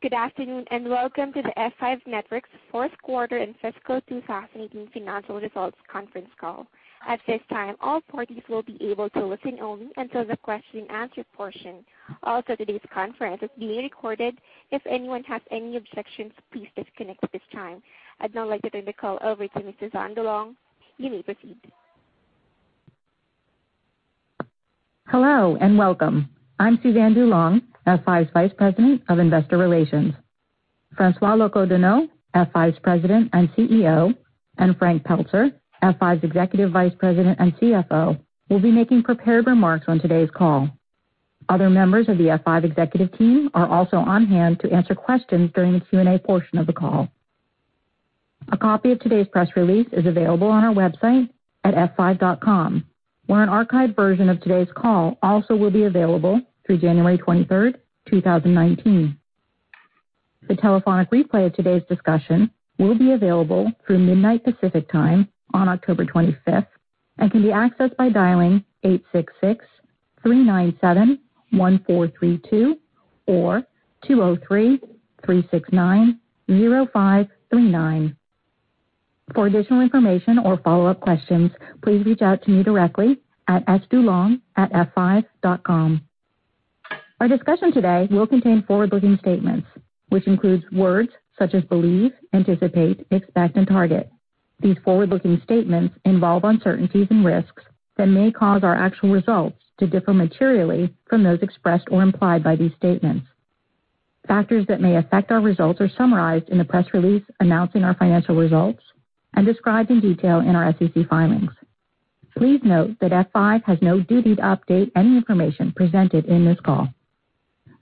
Good afternoon, and welcome to the F5 Networks fourth quarter and fiscal 2018 financial results conference call. At this time, all parties will be able to listen only until the question and answer portion. Today's conference is being recorded. If anyone has any objections, please disconnect at this time. I'd now like to turn the call over to Suzanne DuLong. You may proceed. Hello and welcome. I'm Suzanne DuLong, F5's Vice President of Investor Relations. François Locoh-Donou, F5's President and CEO, and Frank Pelzer, F5's Executive Vice President and CFO, will be making prepared remarks on today's call. Other members of the F5 executive team are also on hand to answer questions during the Q&A portion of the call. A copy of today's press release is available on our website at f5.com, where an archived version of today's call also will be available through January 23rd, 2019. The telephonic replay of today's discussion will be available through midnight Pacific Time on October 25th and can be accessed by dialing 866-397-1432 or 203-369-0539. For additional information or follow-up questions, please reach out to me directly at sdulong@f5.com. Our discussion today will contain forward-looking statements, which includes words such as believe, anticipate, expect, and target. These forward-looking statements involve uncertainties and risks that may cause our actual results to differ materially from those expressed or implied by these statements. Factors that may affect our results are summarized in the press release announcing our financial results and described in detail in our SEC filings. Please note that F5 has no duty to update any information presented in this call.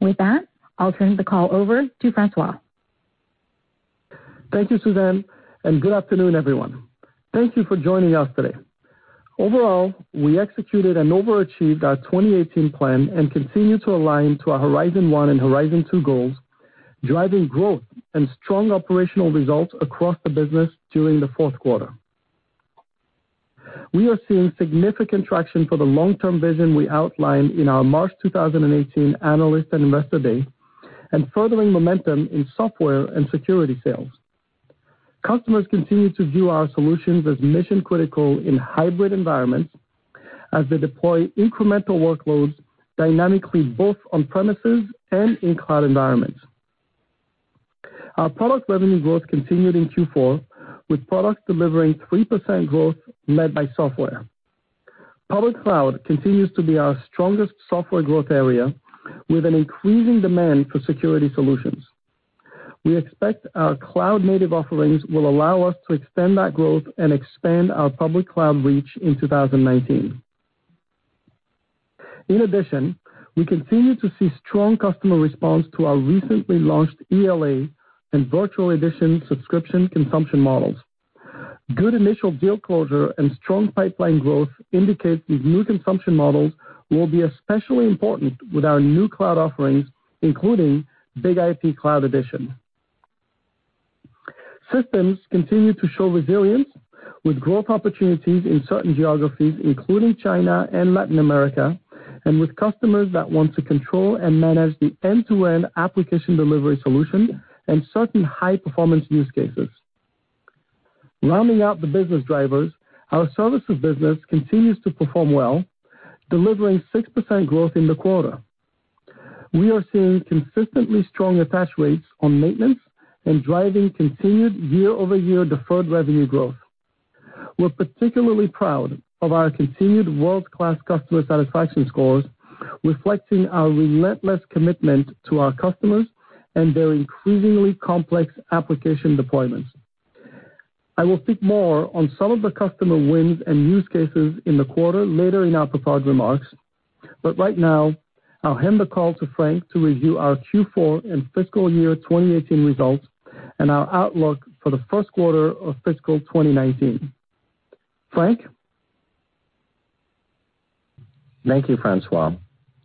With that, I'll turn the call over to François. Thank you, Suzanne, and good afternoon, everyone. Thank you for joining us today. Overall, we executed and overachieved our 2018 plan and continue to align to our Horizon 1 and Horizon two goals, driving growth and strong operational results across the business during the fourth quarter. We are seeing significant traction for the long-term vision we outlined in our March 2018 Analyst & Investor Meeting and furthering momentum in software and security sales. Customers continue to view our solutions as mission-critical in hybrid environments as they deploy incremental workloads dynamically, both on-premises and in cloud environments. Our product revenue growth continued in Q4, with products delivering 3% growth led by software. Public cloud continues to be our strongest software growth area, with an increasing demand for security solutions. We expect our cloud-native offerings will allow us to extend that growth and expand our public cloud reach in 2019. We continue to see strong customer response to our recently launched ELA and virtual edition subscription consumption models. Good initial deal closure and strong pipeline growth indicate these new consumption models will be especially important with our new cloud offerings, including BIG-IP Cloud Edition. Systems continue to show resilience with growth opportunities in certain geographies, including China and Latin America, and with customers that want to control and manage the end-to-end application delivery solution and certain high-performance use cases. Rounding out the business drivers, our services business continues to perform well, delivering 6% growth in the quarter. We are seeing consistently strong attach rates on maintenance and driving continued year-over-year deferred revenue growth. We're particularly proud of our continued world-class customer satisfaction scores, reflecting our relentless commitment to our customers and their increasingly complex application deployments. I will speak more on some of the customer wins and use cases in the quarter later in our prepared remarks, right now I'll hand the call to Frank to review our Q4 and fiscal year 2018 results and our outlook for the first quarter of fiscal 2019. Frank? Thank you, François.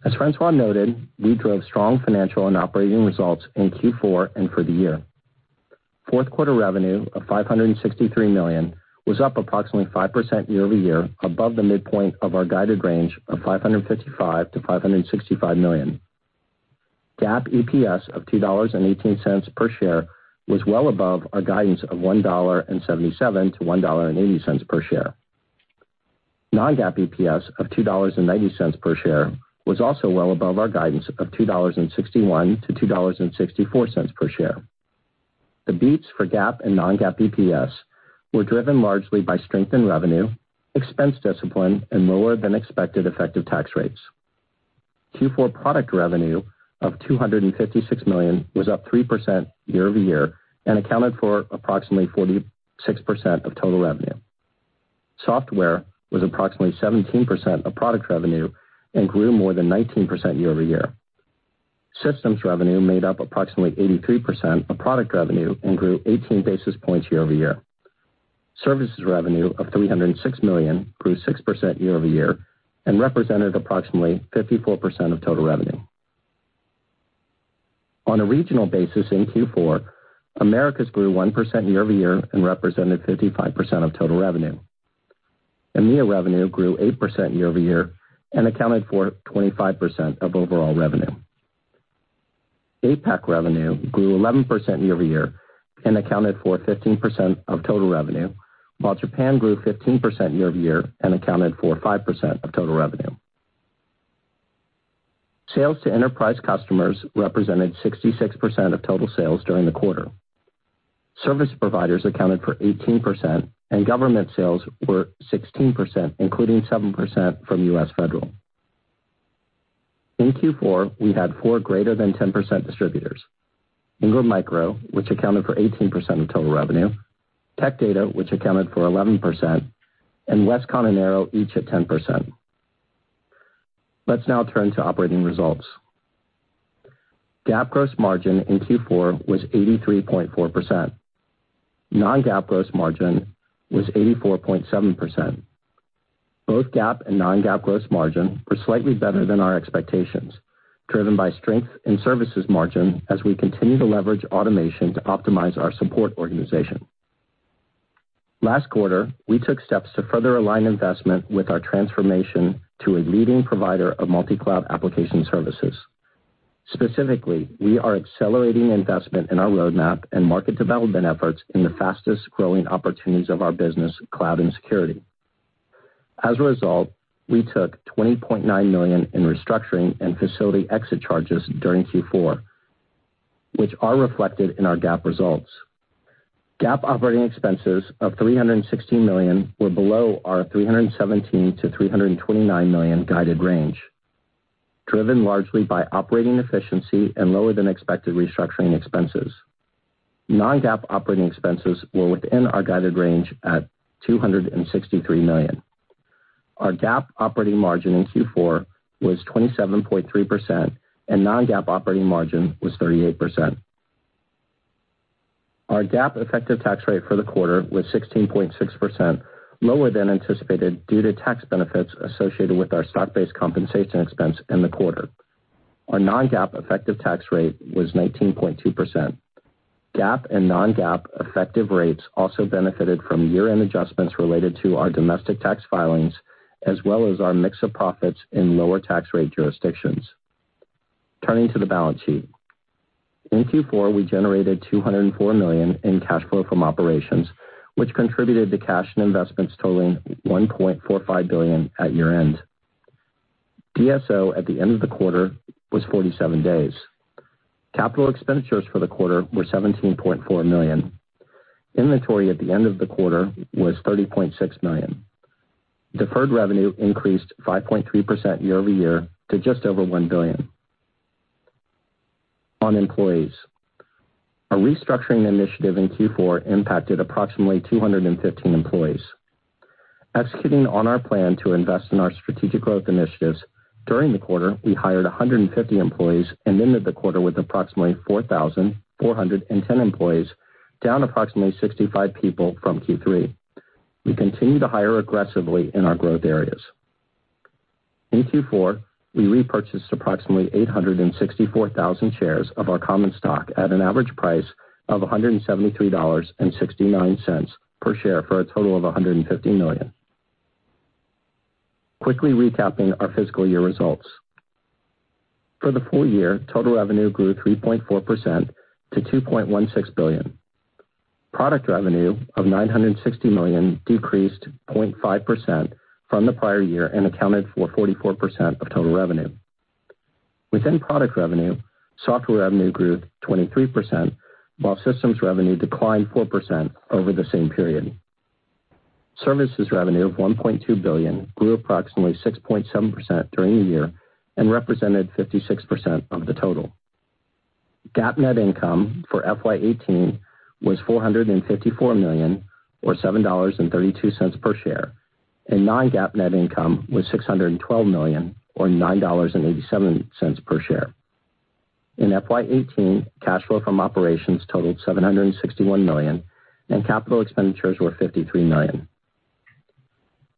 As François noted, we drove strong financial and operating results in Q4 and for the year. Fourth quarter revenue of $563 million was up approximately 5% year-over-year above the midpoint of our guided range of $555 million-$565 million. GAAP EPS of $2.18 per share was well above our guidance of $1.77-$1.80 per share. Non-GAAP EPS of $2.90 per share was also well above our guidance of $2.61-$2.64 per share. The beats for GAAP and non-GAAP EPS were driven largely by strength in revenue, expense discipline, and lower-than-expected effective tax rates. Q4 product revenue of $256 million was up 3% year-over-year and accounted for approximately 46% of total revenue. Software was approximately 17% of product revenue and grew more than 19% year-over-year. Systems revenue made up approximately 83% of product revenue and grew 18 basis points year-over-year. Services revenue of $306 million grew 6% year-over-year and represented approximately 54% of total revenue. On a regional basis in Q4, Americas grew 1% year-over-year and represented 55% of total revenue. EMEA revenue grew 8% year-over-year and accounted for 25% of overall revenue. APAC revenue grew 11% year-over-year and accounted for 15% of total revenue, while Japan grew 15% year-over-year and accounted for 5% of total revenue. Sales to enterprise customers represented 66% of total sales during the quarter. Service providers accounted for 18%, and government sales were 16%, including 7% from US Federal. In Q4, we had four greater than 10% distributors, Ingram Micro, which accounted for 18% of total revenue, Tech Data, which accounted for 11%, and Westcon and Arrow, each at 10%. Let's now turn to operating results. GAAP gross margin in Q4 was 83.4%. Non-GAAP gross margin was 84.7%. Both GAAP and non-GAAP gross margin were slightly better than our expectations, driven by strength in services margin as we continue to leverage automation to optimize our support organization. Last quarter, we took steps to further align investment with our transformation to a leading provider of multi-cloud application services. Specifically, we are accelerating investment in our roadmap and market development efforts in the fastest-growing opportunities of our business, cloud and security. As a result, we took $20.9 million in restructuring and facility exit charges during Q4, which are reflected in our GAAP results. GAAP operating expenses of $316 million were below our $317 million-$329 million guided range, driven largely by operating efficiency and lower than expected restructuring expenses. Non-GAAP operating expenses were within our guided range at $263 million. Our GAAP operating margin in Q4 was 27.3%, and non-GAAP operating margin was 38%. Our GAAP effective tax rate for the quarter was 16.6%, lower than anticipated due to tax benefits associated with our stock-based compensation expense in the quarter. Our non-GAAP effective tax rate was 19.2%. GAAP and non-GAAP effective rates also benefited from year-end adjustments related to our domestic tax filings, as well as our mix of profits in lower tax rate jurisdictions. Turning to the balance sheet. In Q4, we generated $204 million in cash flow from operations, which contributed to cash and investments totaling $1.45 billion at year-end. DSO at the end of the quarter was 47 days. Capital expenditures for the quarter were $17.4 million. Inventory at the end of the quarter was $30.6 million. Deferred revenue increased 5.3% year-over-year to just over $1 billion. On employees. Our restructuring initiative in Q4 impacted approximately 215 employees. Executing on our plan to invest in our strategic growth initiatives, during the quarter, we hired 150 employees and ended the quarter with approximately 4,410 employees, down approximately 65 people from Q3. We continue to hire aggressively in our growth areas. In Q4, we repurchased approximately 864,000 shares of our common stock at an average price of $173.69 per share for a total of $150 million. Quickly recapping our fiscal year results. For the full year, total revenue grew 3.4% to $2.16 billion. Product revenue of $960 million decreased 0.5% from the prior year and accounted for 44% of total revenue. Within product revenue, software revenue grew 23%, while systems revenue declined 4% over the same period. Services revenue of $1.2 billion grew approximately 6.7% during the year and represented 56% of the total. GAAP net income for FY 2018 was $454 million, or $7.32 per share, and non-GAAP net income was $612 million, or $9.87 per share. In FY 2018, cash flow from operations totaled $761 million, and capital expenditures were $53 million.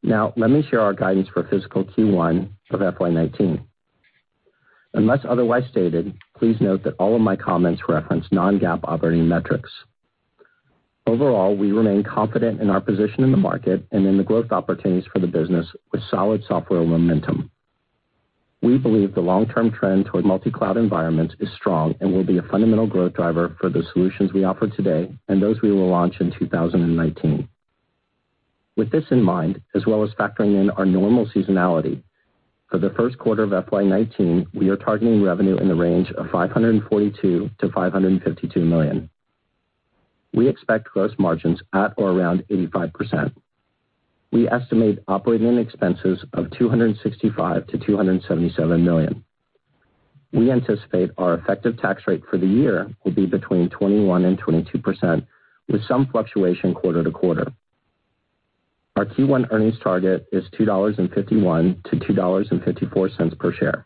Now, let me share our guidance for fiscal Q1 of FY 2019. Unless otherwise stated, please note that all of my comments reference non-GAAP operating metrics. Overall, we remain confident in our position in the market and in the growth opportunities for the business with solid software momentum. We believe the long-term trend toward multi-cloud environments is strong and will be a fundamental growth driver for the solutions we offer today and those we will launch in 2019. With this in mind, as well as factoring in our normal seasonality, for the first quarter of FY 2019, we are targeting revenue in the range of $542 million-$552 million. We expect gross margins at or around 85%. We estimate operating expenses of $265 million-$277 million. We anticipate our effective tax rate for the year will be between 21% and 22%, with some fluctuation quarter to quarter. Our Q1 earnings target is $2.51-$2.54 per share.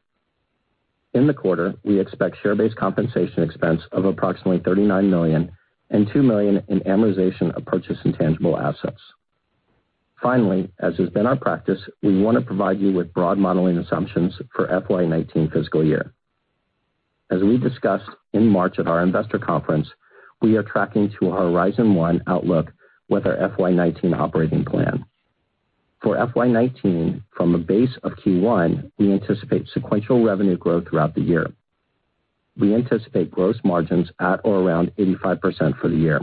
In the quarter, we expect share-based compensation expense of approximately $39 million and $2 million in amortization of purchased intangible assets. Finally, as has been our practice, we want to provide you with broad modeling assumptions for FY 2019 fiscal year. As we discussed in March at our investor conference, we are tracking to a Horizon one outlook with our FY 2019 operating plan. For FY 2019, from a base of Q1, we anticipate sequential revenue growth throughout the year. We anticipate gross margins at or around 85% for the year.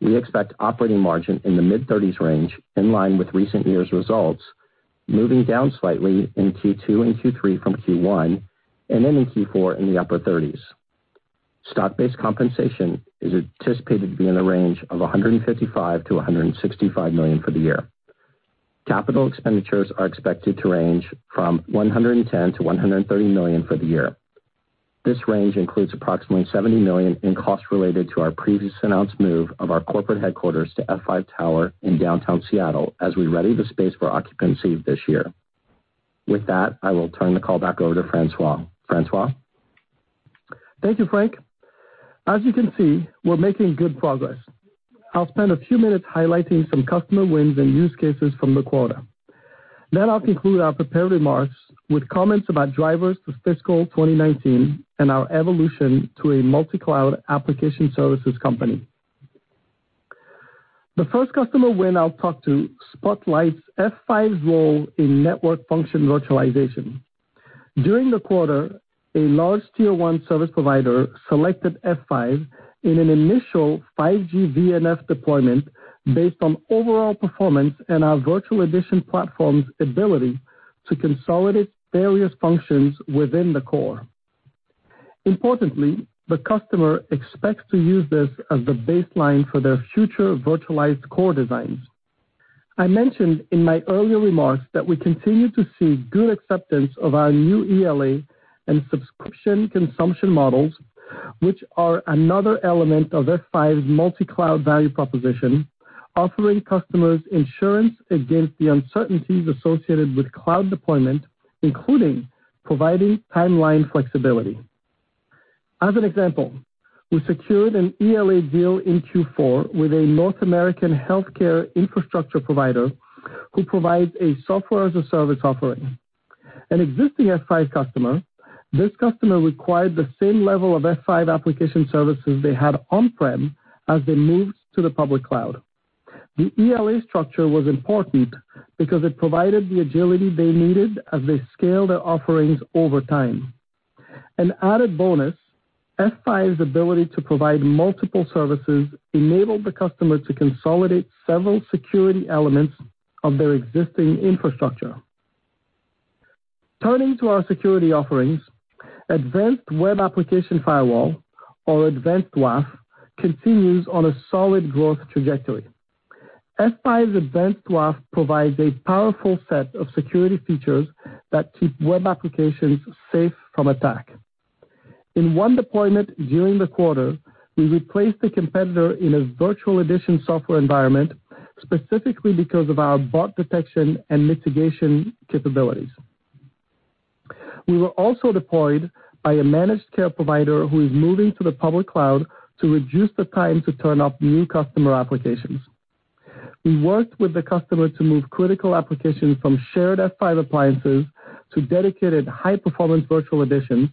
We expect operating margin in the mid-30s range, in line with recent years' results, moving down slightly in Q2 and Q3 from Q1, and then in Q4 in the upper 30s. Stock-based compensation is anticipated to be in the range of $155 million-$165 million for the year. Capital expenditures are expected to range from $110 million-$130 million for the year. This range includes approximately $70 million in costs related to our previously announced move of our corporate headquarters to F5 Tower in downtown Seattle as we ready the space for occupancy this year. With that, I will turn the call back over to François. François? Thank you, Frank. As you can see, we're making good progress. I'll spend a few minutes highlighting some customer wins and use cases from the quarter. Then I'll conclude our prepared remarks with comments about drivers for fiscal 2019 and our evolution to a multi-cloud application services company. The first customer win I'll talk to spotlights F5's role in network function virtualization. During the quarter, a large tier 1 service provider selected F5 in an initial 5G VNF deployment based on overall performance and our Virtual Edition platform's ability to consolidate various functions within the core. Importantly, the customer expects to use this as the baseline for their future virtualized core designs. I mentioned in my earlier remarks that we continue to see good acceptance of our new ELA and subscription consumption models, which are another element of F5's multi-cloud value proposition, offering customers insurance against the uncertainties associated with cloud deployment, including providing timeline flexibility. As an example, we secured an ELA deal in Q4 with a North American healthcare infrastructure provider who provides a software-as-a-service offering. An existing F5 customer, this customer required the same level of F5 application services they had on-prem as they moved to the public cloud. The ELA structure was important because it provided the agility they needed as they scaled their offerings over time. An added bonus, F5's ability to provide multiple services enabled the customer to consolidate several security elements of their existing infrastructure. Turning to our security offerings, Advanced Web Application Firewall, or Advanced WAF, continues on a solid growth trajectory. F5's Advanced WAF provides a powerful set of security features that keep web applications safe from attack. In one deployment during the quarter, we replaced a competitor in a virtual edition software environment, specifically because of our bot detection and mitigation capabilities. We were also deployed by a managed care provider who is moving to the public cloud to reduce the time to turn up new customer applications. We worked with the customer to move critical applications from shared F5 appliances to dedicated high-performance virtual editions,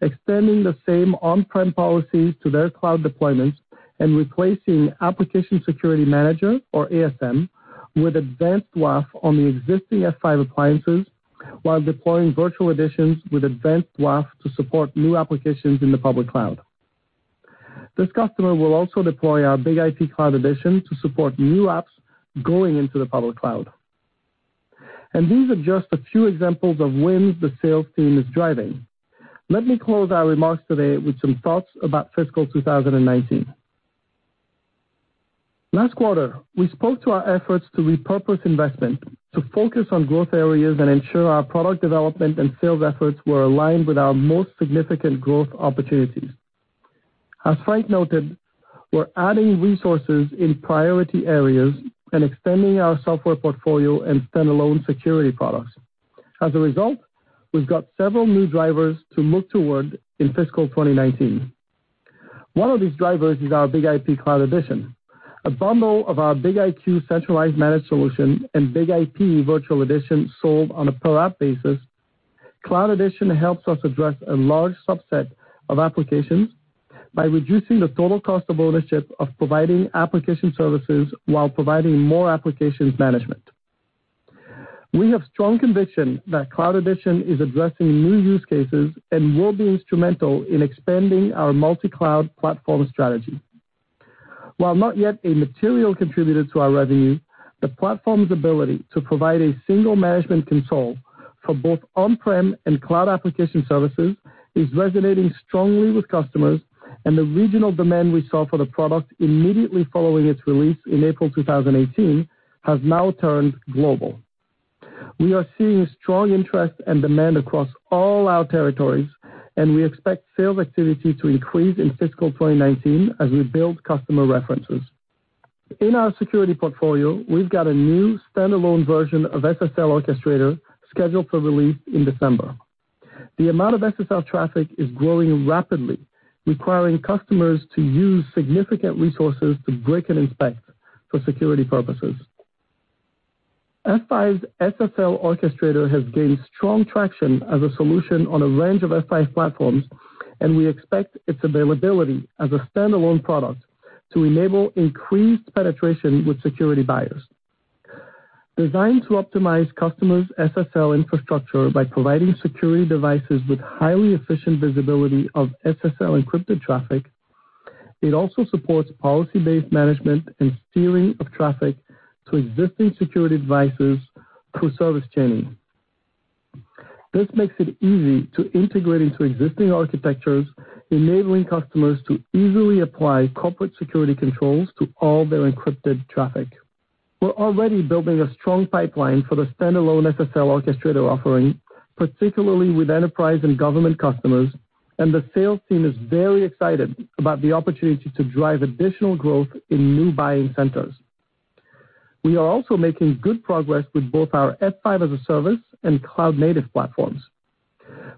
extending the same on-prem policies to their cloud deployments and replacing Application Security Manager, or ASM, with Advanced WAF on the existing F5 appliances while deploying virtual editions with Advanced WAF to support new applications in the public cloud. This customer will also deploy our BIG-IP Cloud Edition to support new apps going into the public cloud. These are just a few examples of wins the sales team is driving. Let me close our remarks today with some thoughts about fiscal 2019. Last quarter, we spoke to our efforts to repurpose investment to focus on growth areas and ensure our product development and sales efforts were aligned with our most significant growth opportunities. As Frank noted, we're adding resources in priority areas and extending our software portfolio and standalone security products. As a result, we've got several new drivers to move toward in fiscal 2019. One of these drivers is our BIG-IP Cloud Edition, a bundle of our BIG-IQ centralized managed solution and BIG-IP Virtual Edition sold on a per-app basis. Cloud Edition helps us address a large subset of applications by reducing the total cost of ownership of providing application services while providing more applications management. We have strong conviction that Cloud Edition is addressing new use cases and will be instrumental in expanding our multi-cloud platform strategy. While not yet a material contributor to our revenue, the platform's ability to provide a single management console for both on-prem and cloud application services is resonating strongly with customers. The regional demand we saw for the product immediately following its release in April 2018 has now turned global. We are seeing strong interest and demand across all our territories. We expect sales activity to increase in fiscal 2019 as we build customer references. In our security portfolio, we've got a new standalone version of SSL Orchestrator scheduled for release in December. The amount of SSL traffic is growing rapidly, requiring customers to use significant resources to break and inspect for security purposes. F5's SSL Orchestrator has gained strong traction as a solution on a range of F5 platforms. We expect its availability as a standalone product to enable increased penetration with security buyers. Designed to optimize customers' SSL infrastructure by providing security devices with highly efficient visibility of SSL encrypted traffic, it also supports policy-based management and steering of traffic to existing security devices through service chaining. This makes it easy to integrate into existing architectures, enabling customers to easily apply corporate security controls to all their encrypted traffic. We're already building a strong pipeline for the standalone SSL Orchestrator offering, particularly with enterprise and government customers. The sales team is very excited about the opportunity to drive additional growth in new buying centers. We are also making good progress with both our F5 as a Service and cloud-native platforms.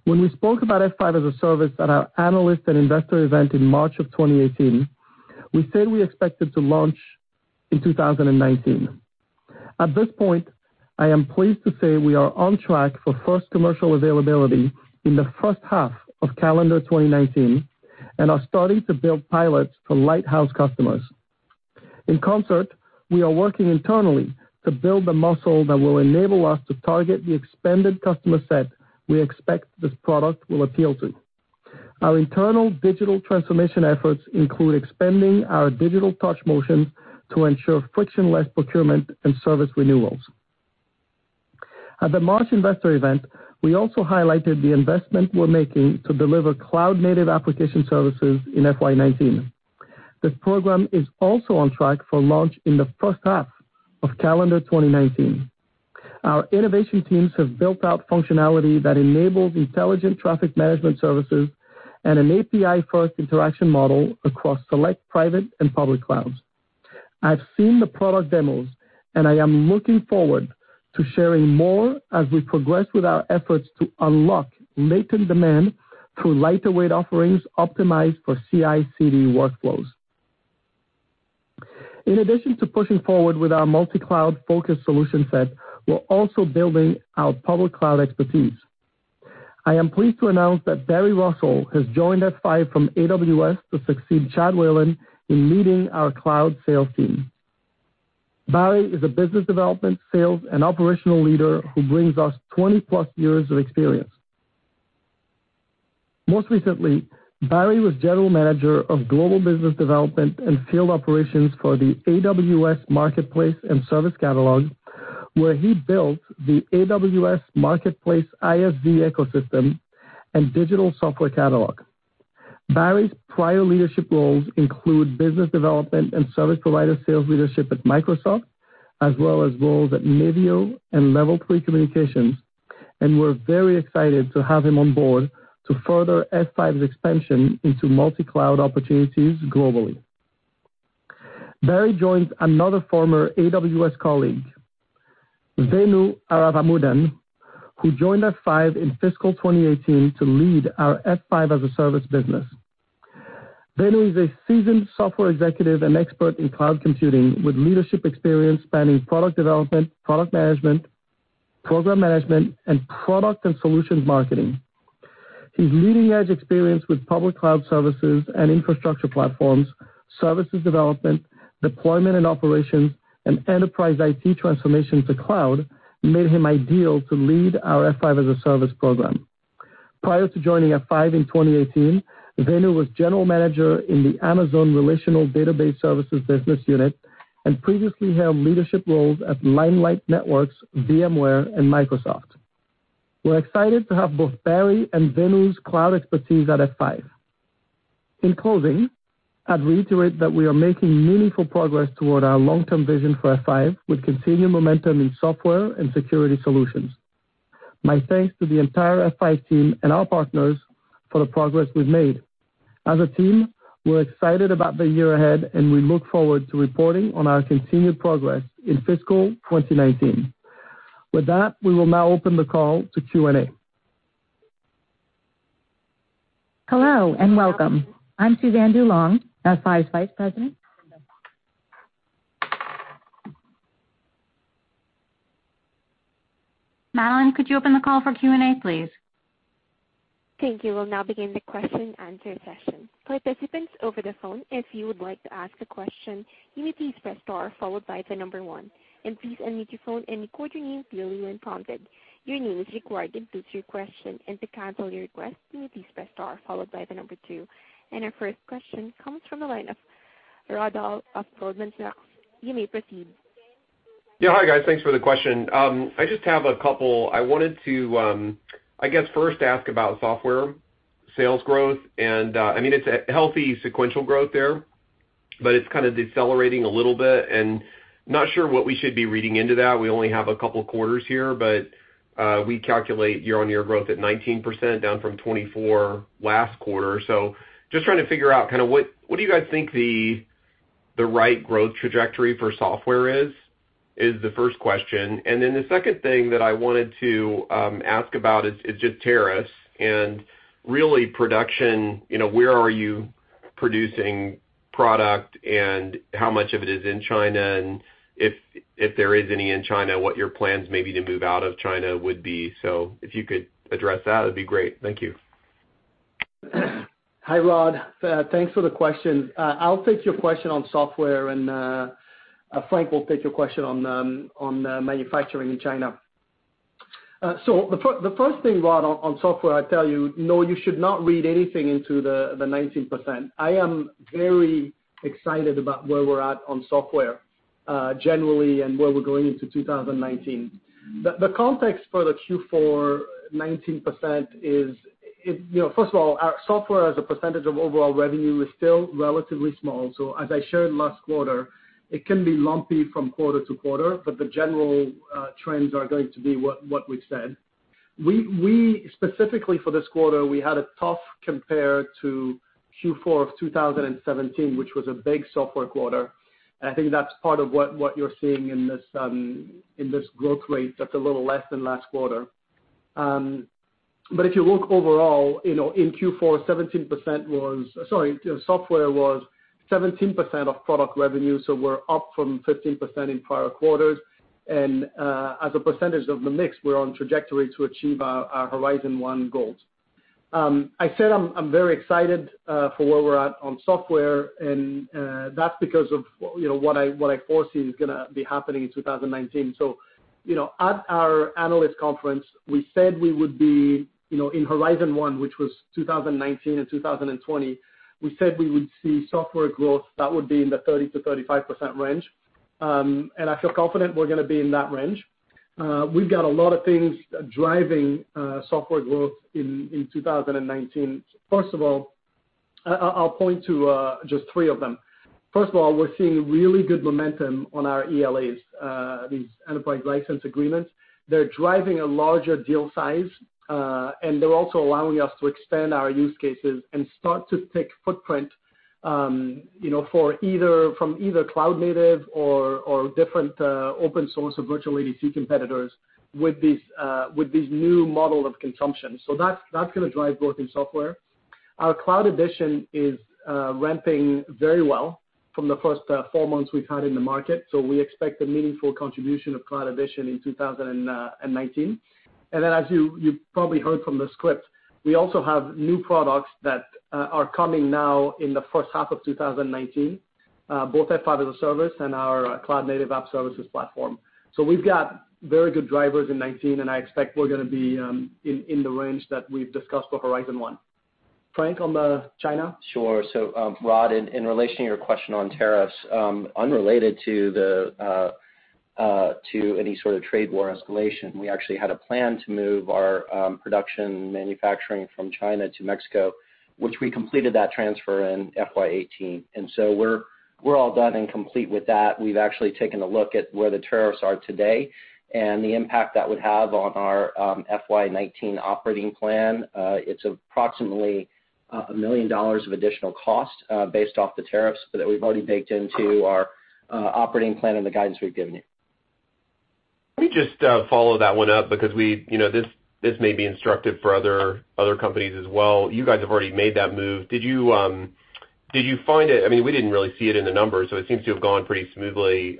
When we spoke about F5 as a Service at our Analyst & Investor Meeting in March of 2018, we said we expected to launch in 2019. At this point, I am pleased to say we are on track for first commercial availability in the first half of calendar 2019 and are starting to build pilots for lighthouse customers. In concert, we are working internally to build the muscle that will enable us to target the expanded customer set we expect this product will appeal to. Our internal digital transformation efforts include expanding our digital touch motions to ensure frictionless procurement and service renewals. At the March investor event, we also highlighted the investment we're making to deliver cloud-native application services in FY 2019. This program is also on track for launch in the first half of calendar 2019. Our innovation teams have built out functionality that enables intelligent traffic management services and an API-first interaction model across select private and public clouds. I've seen the product demos, and I am looking forward to sharing more as we progress with our efforts to unlock latent demand through lighter weight offerings optimized for CI/CD workflows. In addition to pushing forward with our multi-cloud focused solution set, we're also building our public cloud expertise. I am pleased to announce that Barry Russell has joined F5 from AWS to succeed Chad Whalen in leading our cloud sales team. Barry is a business development, sales, and operational leader who brings us 20-plus years of experience. Most recently, Barry was General Manager of Global Business Development and Field Operations for the AWS Marketplace and AWS Service Catalog, where he built the AWS Marketplace ISV ecosystem and digital software catalog. Barry's prior leadership roles include business development and service provider sales leadership at Microsoft, as well as roles at Niveo and Level 3 Communications, and we're very excited to have him on board to further F5's expansion into multi-cloud opportunities globally. Barry joins another former AWS colleague, Venu Aravamudan, who joined F5 in fiscal 2018 to lead our F5 as a Service business. Venu is a seasoned software executive and expert in cloud computing with leadership experience spanning product development, product management, program management, and product and solutions marketing. His leading-edge experience with public cloud services and infrastructure platforms, services development, deployment and operations, and enterprise IT transformation to cloud made him ideal to lead our F5 as a Service program. Prior to joining F5 in 2018, Venu was General Manager in the Amazon Relational Database Service business unit and previously held leadership roles at Limelight Networks, VMware, and Microsoft. We're excited to have both Barry and Venu's cloud expertise at F5. In closing, I'd reiterate that we are making meaningful progress toward our long-term vision for F5 with continued momentum in software and security solutions. My thanks to the entire F5 team and our partners for the progress we've made. As a team, we're excited about the year ahead, and we look forward to reporting on our continued progress in fiscal 2019. With that, we will now open the call to Q&A. Hello and welcome. I'm Suzanne DuLong, F5 Vice President. Madeline, could you open the call for Q&A, please? Thank you. We'll now begin the question and answer session. For participants over the phone, if you would like to ask a question, you may press star followed by number 1, please unmute your phone and record your name clearly when prompted. Your name is required to introduce your question. To cancel your request, you may press star followed by number 2. Our first question comes from the line of Rod Hall of Goldman Sachs. You may proceed. Yeah. Hi, guys. Thanks for the question. I just have a couple. I guess first ask about software sales growth. I mean, it's a healthy sequential growth there, but it's kind of decelerating a little bit, not sure what we should be reading into that. We only have a couple quarters here, but we calculate year-on-year growth at 19%, down from 24% last quarter. Just trying to figure out what do you guys think the right growth trajectory for software is? Is the first question. The second thing that I wanted to ask about is just tariffs and really production, where are you -producing product and how much of it is in China, if there is any in China, what your plans maybe to move out of China would be. If you could address that, it'd be great. Thank you. Hi, Rod. Thanks for the question. I'll take your question on software, and Frank will take your question on manufacturing in China. The first thing, Rod, on software, I tell you, no, you should not read anything into the 19%. I am very excited about where we're at on software generally and where we're going into 2019. The context for the Q4 19%, first of all, our software as a percentage of overall revenue is still relatively small. As I shared last quarter, it can be lumpy from quarter to quarter, but the general trends are going to be what we've said. Specifically for this quarter, we had a tough compare to Q4 of 2017, which was a big software quarter. I think that's part of what you're seeing in this growth rate that's a little less than last quarter. If you look overall, in Q4, software was 17% of product revenue, so we're up from 15% in prior quarters. As a percentage of the mix, we're on trajectory to achieve our Horizon one goals. I said I'm very excited for where we're at on software, and that's because of what I foresee is going to be happening in 2019. At our Analyst & Investor Meeting, we said we would be in Horizon one, which was 2019 and 2020. We said we would see software growth that would be in the 30%-35% range. I feel confident we're going to be in that range. We've got a lot of things driving software growth in 2019. I'll point to just three of them. First of all, we're seeing really good momentum on our ELAs, these enterprise license agreements. They're driving a larger deal size, and they're also allowing us to extend our use cases and start to take footprint from either cloud native or different open source or virtual ADC competitors with this new model of consumption. That's going to drive growth in software. Our Cloud Edition is ramping very well from the first four months we've had in the market, so we expect a meaningful contribution of Cloud Edition in 2019. As you probably heard from the script, we also have new products that are coming now in the first half of 2019, both F5 as a Service and our cloud native app services platform. We've got very good drivers in 2019, and I expect we're going to be in the range that we've discussed for Horizon one. Frank, on the China? Sure. Rod, in relation to your question on tariffs, unrelated to any sort of trade war escalation, we actually had a plan to move our production manufacturing from China to Mexico, which we completed that transfer in FY 2018. We're all done and complete with that. We've actually taken a look at where the tariffs are today and the impact that would have on our FY 2019 operating plan. It's approximately $1 million of additional cost based off the tariffs, but that we've already baked into our operating plan and the guidance we've given you. Let me just follow that one up because this may be instructive for other companies as well. You guys have already made that move. We didn't really see it in the numbers. It seems to have gone pretty smoothly.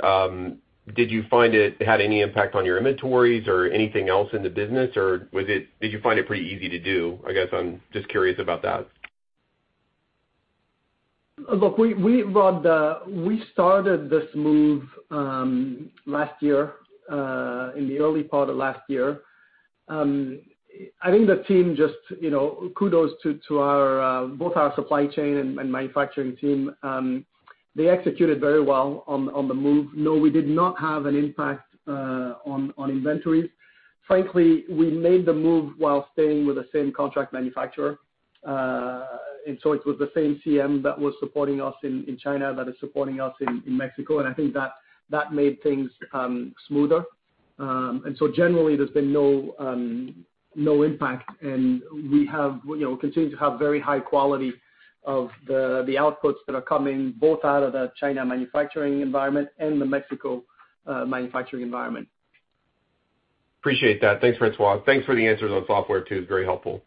Did you find it had any impact on your inventories or anything else in the business, or did you find it pretty easy to do? I guess I'm just curious about that. Look, Rod, we started this move last year, in the early part of last year. I think the team, kudos to both our supply chain and manufacturing team. They executed very well on the move. No, we did not have an impact on inventories. Frankly, we made the move while staying with the same contract manufacturer. It was the same CM that was supporting us in China that is supporting us in Mexico, and I think that made things smoother. Generally, there's been no impact, and we continue to have very high quality of the outputs that are coming both out of the China manufacturing environment and the Mexico manufacturing environment. Appreciate that. Thanks, François. Thanks for the answers on software, too. It's very helpful.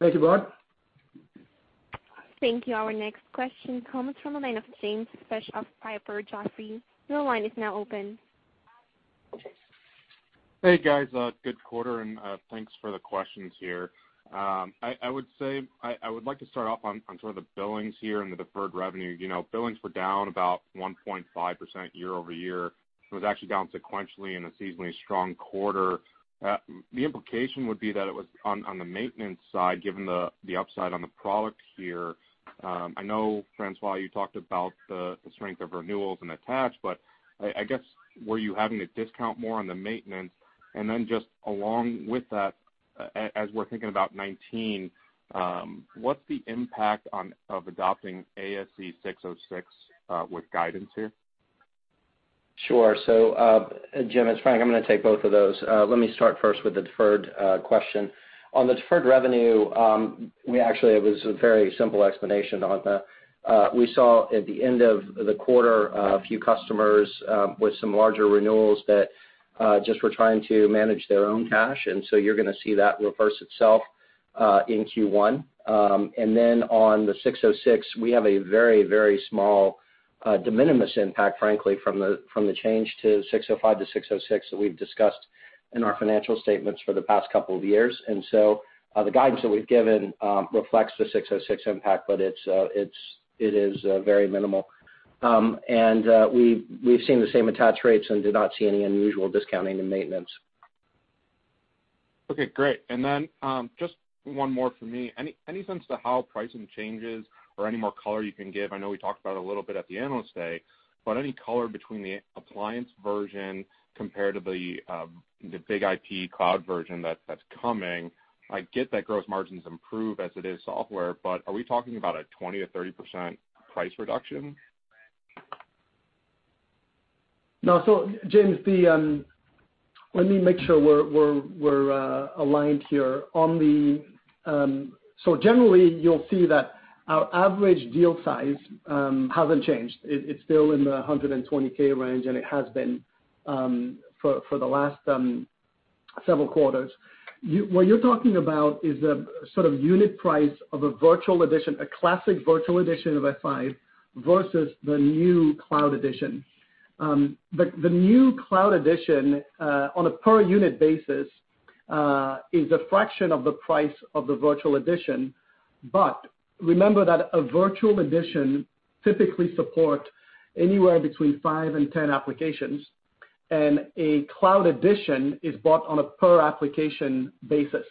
Thank you, Rod. Thank you. Our next question comes from the line of James Fish of Piper Jaffray. Your line is now open. Hey, guys. Good quarter, thanks for the questions here. I would like to start off on sort of the billings here and the deferred revenue. Billings were down about 1.5% year-over-year. It was actually down sequentially in a seasonally strong quarter. The implication would be that it was on the maintenance side, given the upside on the product here. I know, François, you talked about the strength of renewals and attach, I guess, were you having to discount more on the maintenance? Just along with that, as we're thinking about 2019, what's the impact of adopting ASC 606 with guidance here? Sure. Jim, it's Frank, I'm going to take both of those. Let me start first with the deferred question. On the deferred revenue, actually it was a very simple explanation on that. We saw at the end of the quarter, a few customers with some larger renewals that just were trying to manage their own cash, you're going to see that reverse itself in Q1. On the 606, we have a very, very small de minimis impact, frankly, from the change to 605 to 606 that we've discussed in our financial statements for the past couple of years. The guidance that we've given reflects the 606 impact, it is very minimal. We've seen the same attach rates and did not see any unusual discounting in maintenance. Okay, great. Just one more from me. Any sense to how pricing changes or any more color you can give? I know we talked about it a little bit at the Analyst Day, any color between the appliance version compared to the BIG-IP Cloud Edition that's coming. I get that gross margins improve as it is software, are we talking about a 20%-30% price reduction? No. James, let me make sure we're aligned here. Generally, you'll see that our average deal size hasn't changed. It's still in the $120K range, and it has been for the last several quarters. What you're talking about is a sort of unit price of a classic Virtual Edition of F5 versus the new Cloud Edition. The new Cloud Edition, on a per unit basis, is a fraction of the price of the Virtual Edition. Remember that a Virtual Edition typically support anywhere between five and 10 applications, and a Cloud Edition is bought on a per application basis.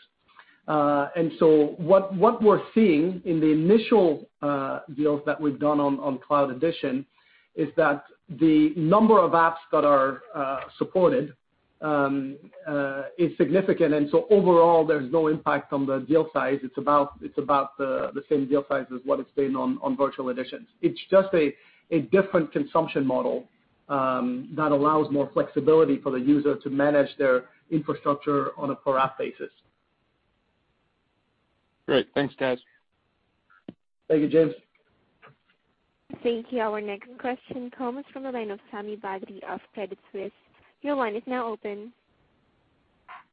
What we're seeing in the initial deals that we've done on Cloud Edition is that the number of apps that are supported is significant, overall, there's no impact on the deal size. It's about the same deal size as what it's been on Virtual Editions. It's just a different consumption model that allows more flexibility for the user to manage their infrastructure on a per-app basis. Great. Thanks, guys. Thank you, James. Thank you. Our next question comes from the line of Sami Badri of Credit Suisse. Your line is now open.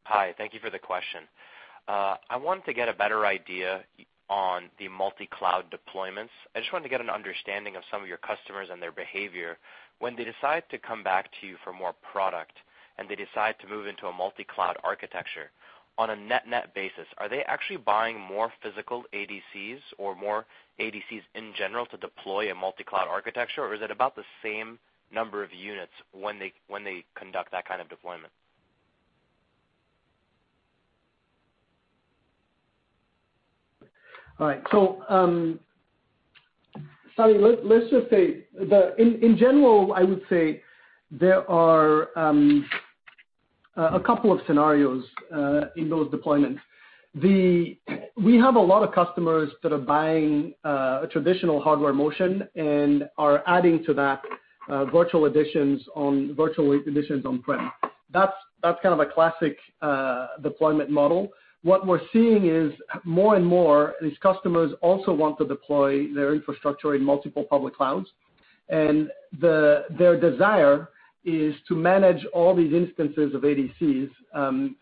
Hi, thank you for the question. I want to get a better idea on the multi-cloud deployments. I just wanted to get an understanding of some of your customers and their behavior. When they decide to come back to you for more product and they decide to move into a multi-cloud architecture, on a net-net basis, are they actually buying more physical ADCs or more ADCs in general to deploy a multi-cloud architecture, or is it about the same number of units when they conduct that kind of deployment? All right. Sami, in general, I would say there are a couple of scenarios in those deployments. We have a lot of customers that are buying a traditional hardware motion and are adding to that virtual editions on-prem. That's kind of a classic deployment model. What we're seeing is more and more these customers also want to deploy their infrastructure in multiple public clouds, and their desire is to manage all these instances of ADCs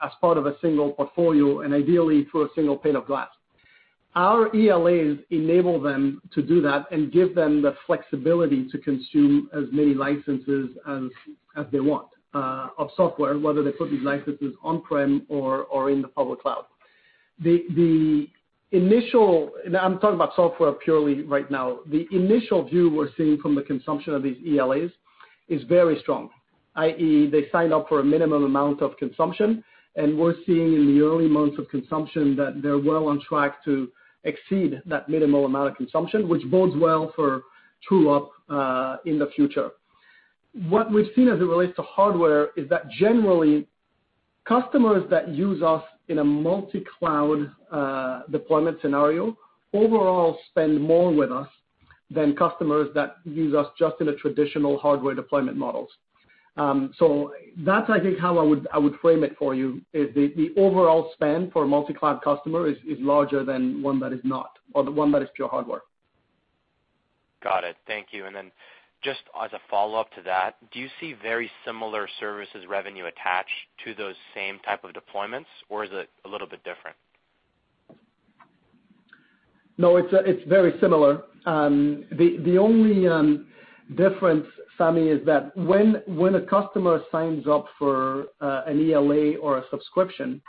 as part of a single portfolio, and ideally through a single pane of glass. Our ELAs enable them to do that and give them the flexibility to consume as many licenses as they want of software, whether they put these licenses on-prem or in the public cloud. I'm talking about software purely right now. The initial view we're seeing from the consumption of these ELAs is very strong, i.e., they sign up for a minimum amount of consumption, and we're seeing in the early months of consumption that they're well on track to exceed that minimum amount of consumption, which bodes well for true up in the future. What we've seen as it relates to hardware is that generally, customers that use us in a multi-cloud deployment scenario overall spend more with us than customers that use us just in a traditional hardware deployment models. That's I think how I would frame it for you, is the overall spend for a multi-cloud customer is larger than one that is not, or the one that is pure hardware. Got it. Thank you. Just as a follow-up to that, do you see very similar services revenue attached to those same type of deployments, or is it a little bit different? No, it's very similar. The only difference, Sami, is that when a customer signs up for an ELA or a subscription,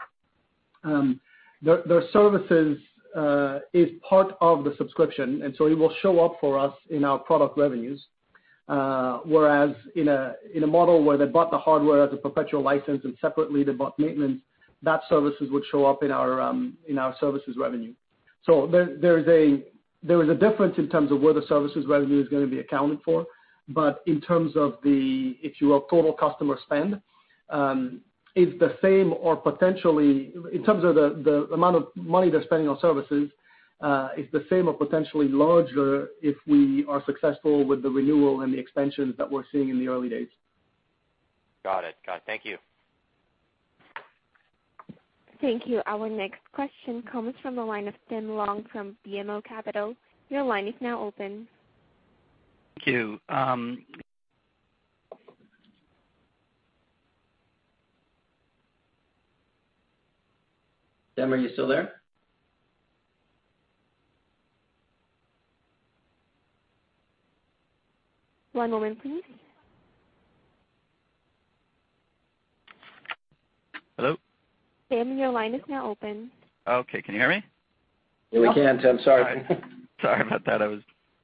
their services is part of the subscription, it will show up for us in our product revenues. Whereas in a model where they bought the hardware as a perpetual license and separately they bought maintenance, that services would show up in our services revenue. There is a difference in terms of where the services revenue is going to be accounted for. In terms of the amount of money they're spending on services, is the same or potentially larger if we are successful with the renewal and the expansions that we're seeing in the early days. Got it. Thank you. Thank you. Our next question comes from the line of Tim Long from BMO Capital. Your line is now open. Thank you. Tim, are you still there? One moment, please. Hello? Tim, your line is now open. Okay. Can you hear me? Yeah, we can, Tim. Sorry. Sorry about that. I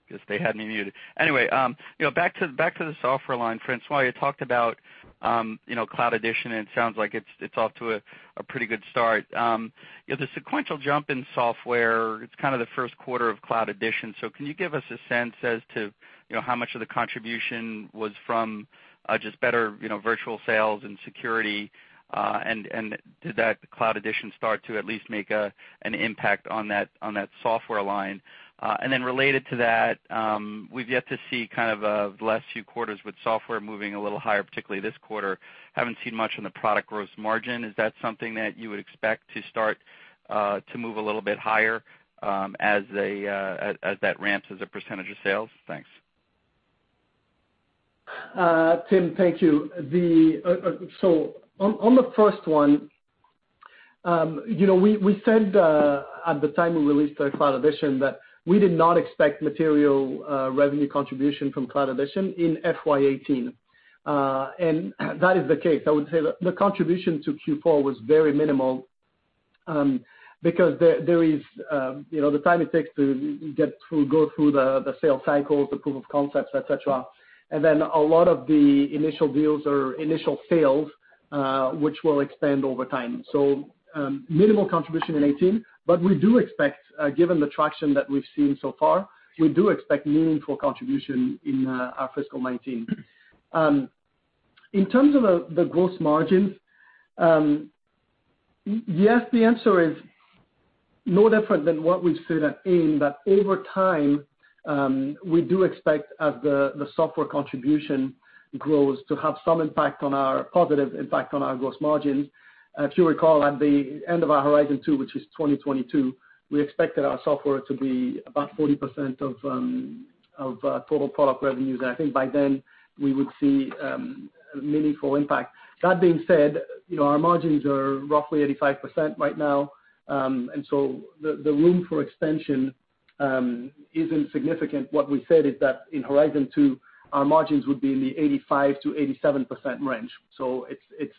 guess they had me muted. Back to the software line. François, you talked about Cloud Edition, and it sounds like it's off to a pretty good start. The sequential jump in software, it's kind of the first quarter of Cloud Edition. Can you give us a sense as to how much of the contribution was from just better virtual sales and security? Did that Cloud Edition start to at least make an impact on that software line? Related to that, we've yet to see kind of the last few quarters with software moving a little higher, particularly this quarter. Haven't seen much on the product gross margin. Is that something that you would expect to start to move a little bit higher as that ramps as a percentage of sales? Thanks. Tim, thank you. On the first one, we said at the time we released our Cloud Edition that we did not expect material revenue contribution from Cloud Edition in FY 2018. That is the case. I would say the contribution to Q4 was very minimal, because the time it takes to go through the sales cycles, the proof of concepts, et cetera, and then a lot of the initial deals are initial sales, which will expand over time. Minimal contribution in 2018. We do expect, given the traction that we've seen so far, we do expect meaningful contribution in our fiscal 2019. In terms of the gross margins, yes, the answer is no different than what we've said at AIM, that over time, we do expect, as the software contribution grows, to have some positive impact on our gross margins. If you recall, at the end of our Horizon two, which was 2022, we expected our software to be about 40% of total product revenues, and I think by then we would see a meaningful impact. That being said, our margins are roughly 85% right now. The room for expansion isn't significant. What we said is that in Horizon two, our margins would be in the 85%-87% range. It's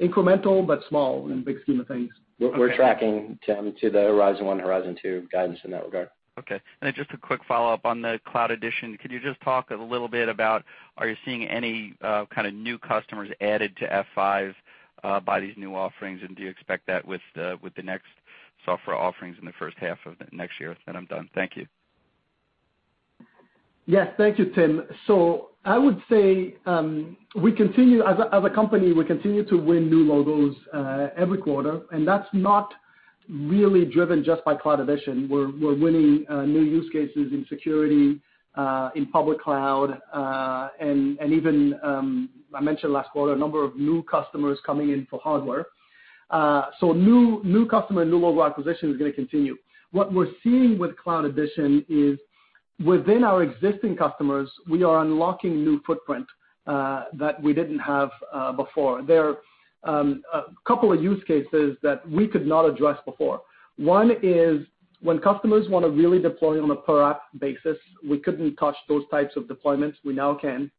incremental, but small in the big scheme of things. We're tracking, Tim, to the Horizon one, Horizon two guidance in that regard. Okay. Just a quick follow-up on the Cloud Edition. Could you just talk a little bit about, are you seeing any kind of new customers added to F5 by these new offerings? Do you expect that with the next software offerings in the first half of next year? I'm done. Thank you. Yes, thank you, Tim. I would say as a company, we continue to win new logos every quarter, and that's not really driven just by Cloud Edition. We're winning new use cases in security, in public cloud, and even, I mentioned last quarter, a number of new customers coming in for hardware. New customer and new logo acquisition is going to continue. What we're seeing with Cloud Edition is within our existing customers, we are unlocking new footprint that we didn't have before. There are a couple of use cases that we could not address before. One is when customers want to really deploy on a per-app basis, we couldn't touch those types of deployments. We now can.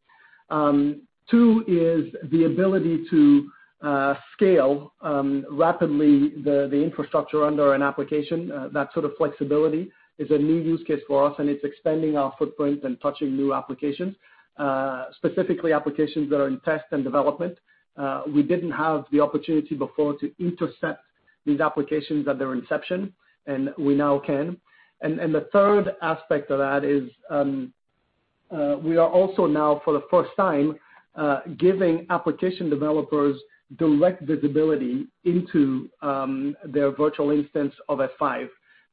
Two is the ability to scale rapidly the infrastructure under an application. That sort of flexibility is a new use case for us, it's expanding our footprint and touching new applications, specifically applications that are in test and development. We didn't have the opportunity before to intercept these applications at their inception, we now can. The third aspect of that is, we are also now, for the first time, giving application developers direct visibility into their virtual instance of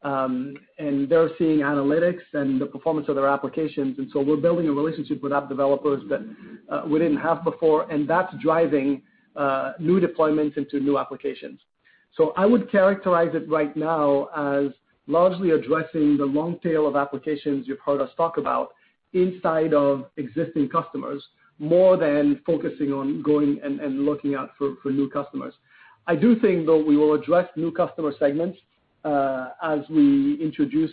F5. They're seeing analytics and the performance of their applications. We're building a relationship with app developers that we didn't have before, and that's driving new deployments into new applications. I would characterize it right now as largely addressing the long tail of applications you've heard us talk about inside of existing customers, more than focusing on going and looking out for new customers. I do think, though, we will address new customer segments, as we introduce,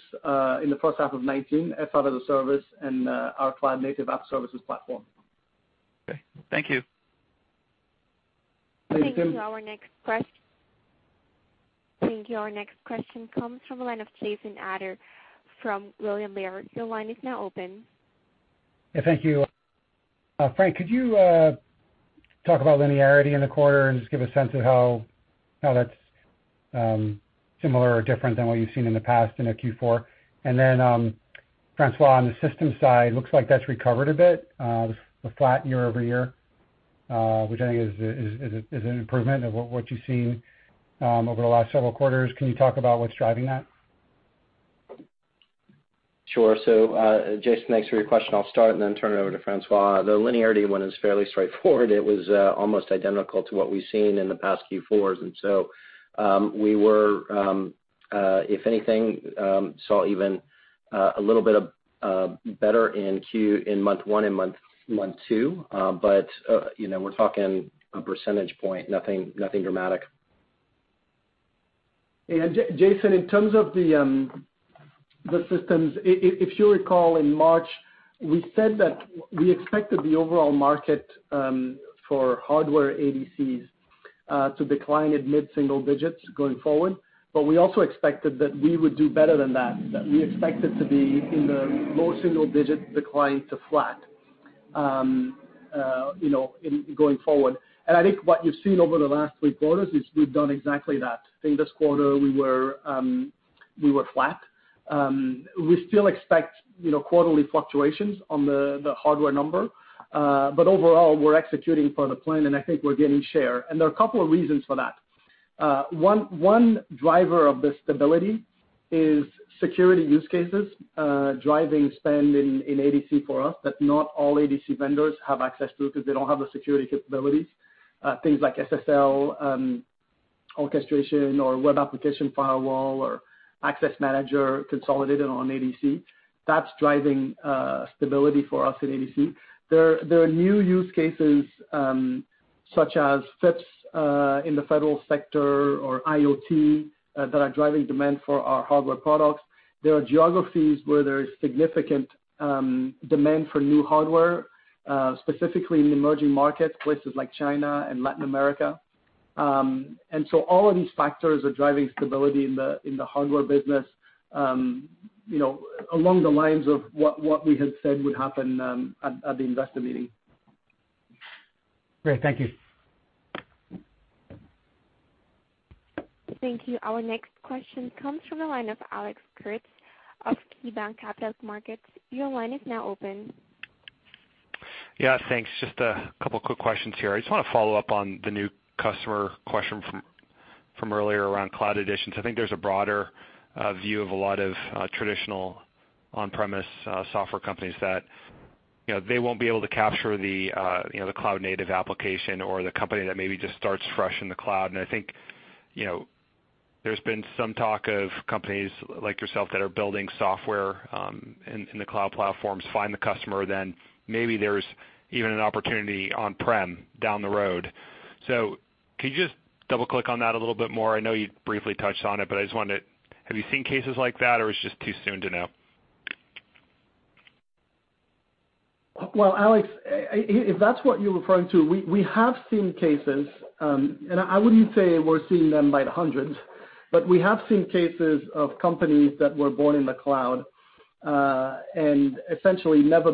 in the first half of 2019, F5 as a Service and our cloud-native app services platform. Okay. Thank you. Thank you, Tim. Thank you. Our next question comes from the line of Jason Ader from William Blair. Your line is now open. Yeah, thank you. Frank, could you talk about linearity in the quarter and just give a sense of how that's similar or different than what you've seen in the past in a Q4. Francois, on the system side, looks like that's recovered a bit. The flat year-over-year, which I think is an improvement of what you've seen over the last several quarters. Can you talk about what's driving that? Sure. Jason, thanks for your question. I'll start and then turn it over to François. The linearity one is fairly straightforward. It was almost identical to what we've seen in the past Q4s. We were, if anything, saw even a little bit better in month one and month two. We're talking a percentage point, nothing dramatic. Jason, in terms of the systems, if you recall, in March, we said that we expected the overall market for hardware ADCs to decline at mid-single digits going forward. We also expected that we would do better than that we expected to be in the low single digit decline to flat going forward. I think what you've seen over the last three quarters is we've done exactly that. I think this quarter we were flat. We still expect quarterly fluctuations on the hardware number. Overall, we're executing for the plan, and I think we're gaining share. There are a couple of reasons for that. One driver of the stability is security use cases driving spend in ADC for us that not all ADC vendors have access to because they don't have the security capabilities. Things like SSL orchestration or web application firewall or access manager consolidated on ADC. That's driving stability for us in ADC. There are new use cases, such as FIPS in the Federal sector or IoT that are driving demand for our hardware products. There are geographies where there is significant demand for new hardware, specifically in emerging markets, places like China and Latin America. All of these factors are driving stability in the hardware business along the lines of what we had said would happen at the Investor Meeting. Great. Thank you. Thank you. Our next question comes from the line of Alex Kurtz of KeyBanc Capital Markets. Your line is now open. Yeah, thanks. Just a couple quick questions here. I just want to follow up on the new customer question from earlier around cloud additions. I think there's a broader view of a lot of traditional on-premise software companies that they won't be able to capture the cloud native application or the company that maybe just starts fresh in the cloud. I think there's been some talk of companies like yourself that are building software in the cloud platforms, find the customer, then maybe there's even an opportunity on-prem down the road. Can you just double click on that a little bit more? I know you briefly touched on it, but I just wondered, have you seen cases like that, or it's just too soon to know? Well, Alex, if that's what you're referring to, we have seen cases. I wouldn't say we're seeing them by the hundreds, we have seen cases of companies that were born in the cloud, essentially never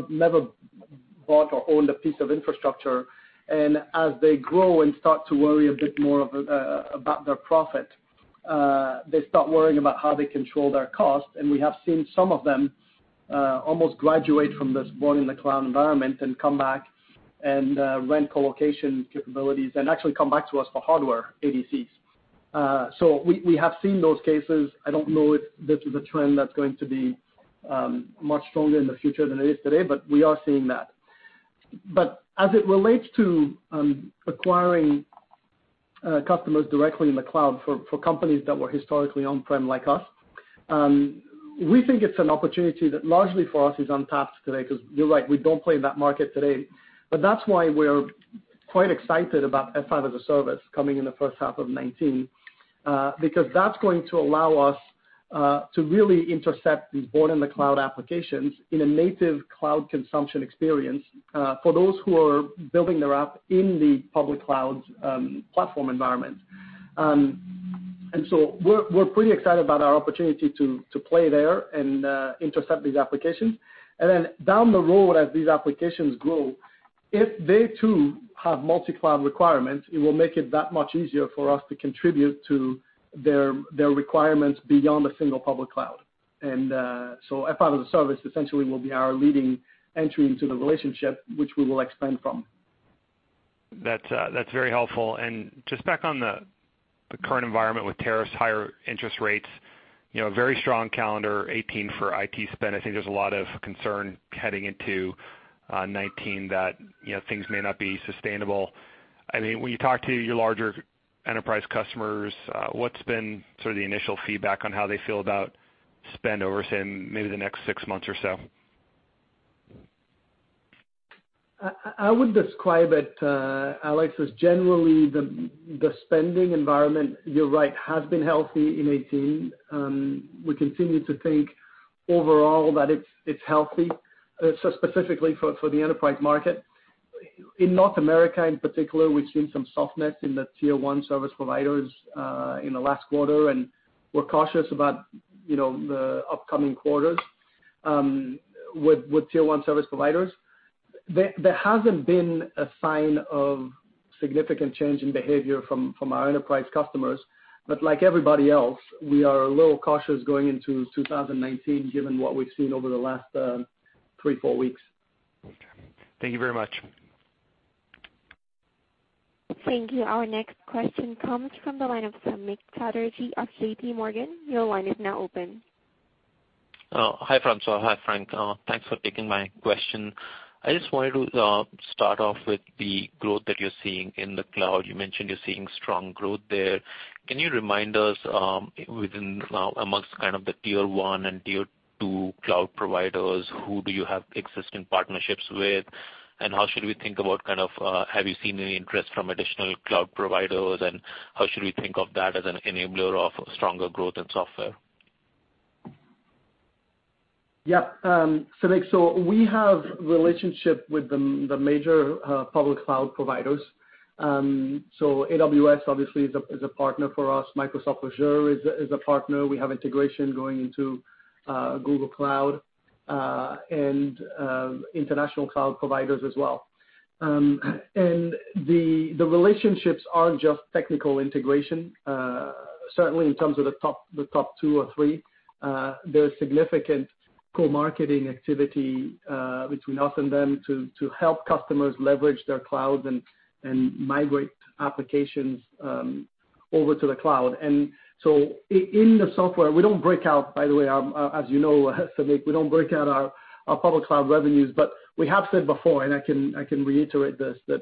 bought or owned a piece of infrastructure. As they grow and start to worry a bit more about their profit, they start worrying about how they control their costs. We have seen some of them almost graduate from this born in the cloud environment and come back and rent co-location capabilities and actually come back to us for hardware ADCs. We have seen those cases. I don't know if this is a trend that's going to be much stronger in the future than it is today, we are seeing that. As it relates to acquiring customers directly in the cloud for companies that were historically on-prem like us, we think it's an opportunity that largely for us is untapped today because you're right, we don't play in that market today. That's why we're quite excited about F5 as a Service coming in the first half of 2019, because that's going to allow us to really intercept these born-in-the-cloud applications in a native cloud consumption experience, for those who are building their app in the public cloud platform environment. We're pretty excited about our opportunity to play there and intercept these applications. Then down the road, as these applications grow, if they too have multi-cloud requirements, it will make it that much easier for us to contribute to their requirements beyond a single public cloud. F5 as a Service essentially will be our leading entry into the relationship, which we will expand from. That's very helpful. Just back on the current environment with tariffs, higher interest rates, a very strong calendar 2018 for IT spend. I think there's a lot of concern heading into 2019 that things may not be sustainable. When you talk to your larger enterprise customers, what's been sort of the initial feedback on how they feel about spend over, say, maybe the next six months or so? I would describe it, Alex, as generally the spending environment, you're right, has been healthy in 2018. We continue to think overall that it's healthy, specifically for the enterprise market. In North America in particular, we've seen some softness in the tier 1 service providers in the last quarter, and we're cautious about the upcoming quarters with tier 1 service providers. There hasn't been a sign of significant change in behavior from our enterprise customers. Like everybody else, we are a little cautious going into 2019, given what we've seen over the last three, four weeks. Okay. Thank you very much. Thank you. Our next question comes from the line of Samik Chatterjee of JPMorgan. Your line is now open. Hi, François. Hi, Frank. Thanks for taking my question. I just wanted to start off with the growth that you're seeing in the cloud. You mentioned you're seeing strong growth there. Can you remind us amongst kind of the tier 1 and tier 2 cloud providers, who do you have existing partnerships with, and how should we think about have you seen any interest from additional cloud providers, and how should we think of that as an enabler of stronger growth in software? Samik, we have relationship with the major public cloud providers. AWS obviously is a partner for us. Microsoft Azure is a partner. We have integration going into Google Cloud, and international cloud providers as well. The relationships aren't just technical integration. Certainly in terms of the top two or three, there's significant co-marketing activity between us and them to help customers leverage their cloud and migrate applications over to the cloud. In the software, we don't break out, by the way, as you know, Samik, we don't break out our public cloud revenues, but we have said before, and I can reiterate this, that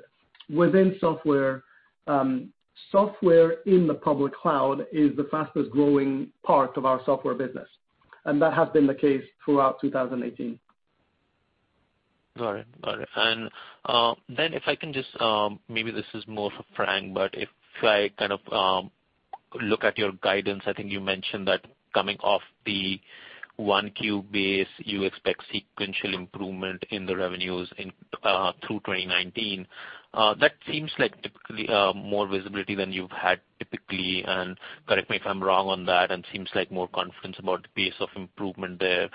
within software in the public cloud is the fastest growing part of our software business, and that has been the case throughout 2018. Got it. If I can just, maybe this is more for Frank, if I kind of look at your guidance, I think you mentioned that coming off the 1Q base, you expect sequential improvement in the revenues through 2019. That seems like typically more visibility than you've had typically, correct me if I'm wrong on that, seems like more confidence about the pace of improvement there.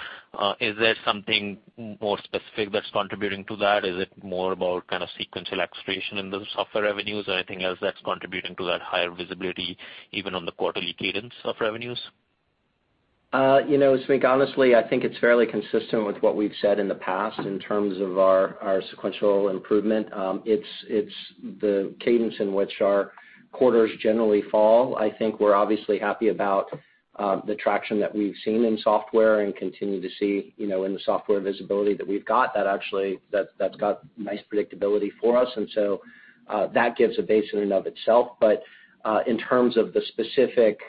Is there something more specific that's contributing to that? Is it more about kind of sequential acceleration in the software revenues or anything else that's contributing to that higher visibility even on the quarterly cadence of revenues? Samik, honestly, I think it's fairly consistent with what we've said in the past in terms of our sequential improvement. It's the cadence in which our quarters generally fall. I think we're obviously happy about the traction that we've seen in software and continue to see in the software visibility that we've got. That gives a base in and of itself. In terms of the specific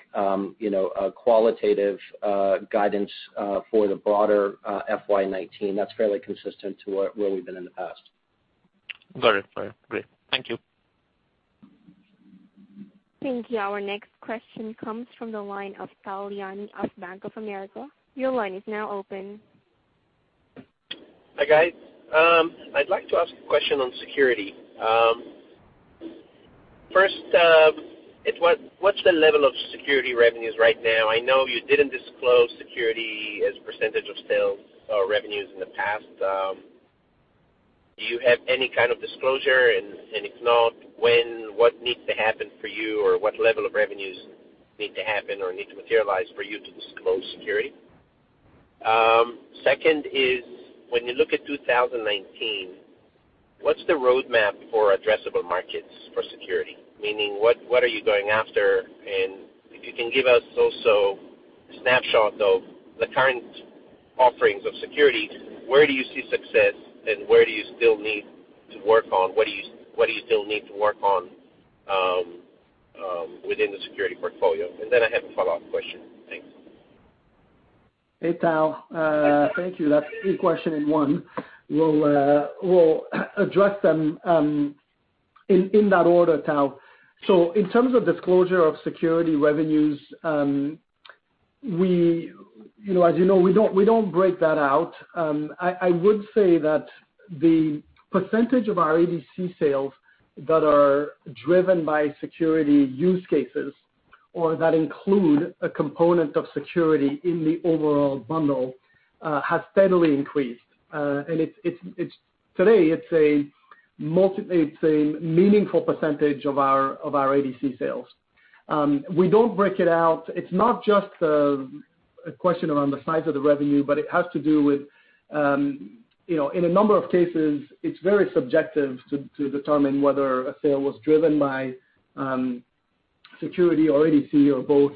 qualitative guidance for the broader FY 2019, that's fairly consistent to where we've been in the past. Got it. Great. Thank you. Thank you. Our next question comes from the line of Tal Liani of Bank of America. Your line is now open. Hi, guys. I'd like to ask a question on security. First, what's the level of security revenues right now? I know you didn't disclose security as % of sales or revenues in the past. Do you have any kind of disclosure, and if not, when, what needs to happen for you or what level of revenues need to happen or need to materialize for you to disclose security? Second is, when you look at 2019, what's the roadmap for addressable markets for security? Meaning, what are you going after? If you can give us also a snapshot of the current offerings of security, where do you see success and where do you still need to work on? What do you still need to work on within the security portfolio? Then I have a follow-up question. Thanks. Hey, Tal. Thank you. That's three question in one. We'll address them in that order, Tal. In terms of disclosure of security revenues, as you know, we don't break that out. I would say that the % of our ADC sales that are driven by security use cases or that include a component of security in the overall bundle, has steadily increased. Today it's a meaningful % of our ADC sales. We don't break it out. It's not just a question around the size of the revenue, but it has to do with, in a number of cases, it's very subjective to determine whether a sale was driven by security or ADC or both.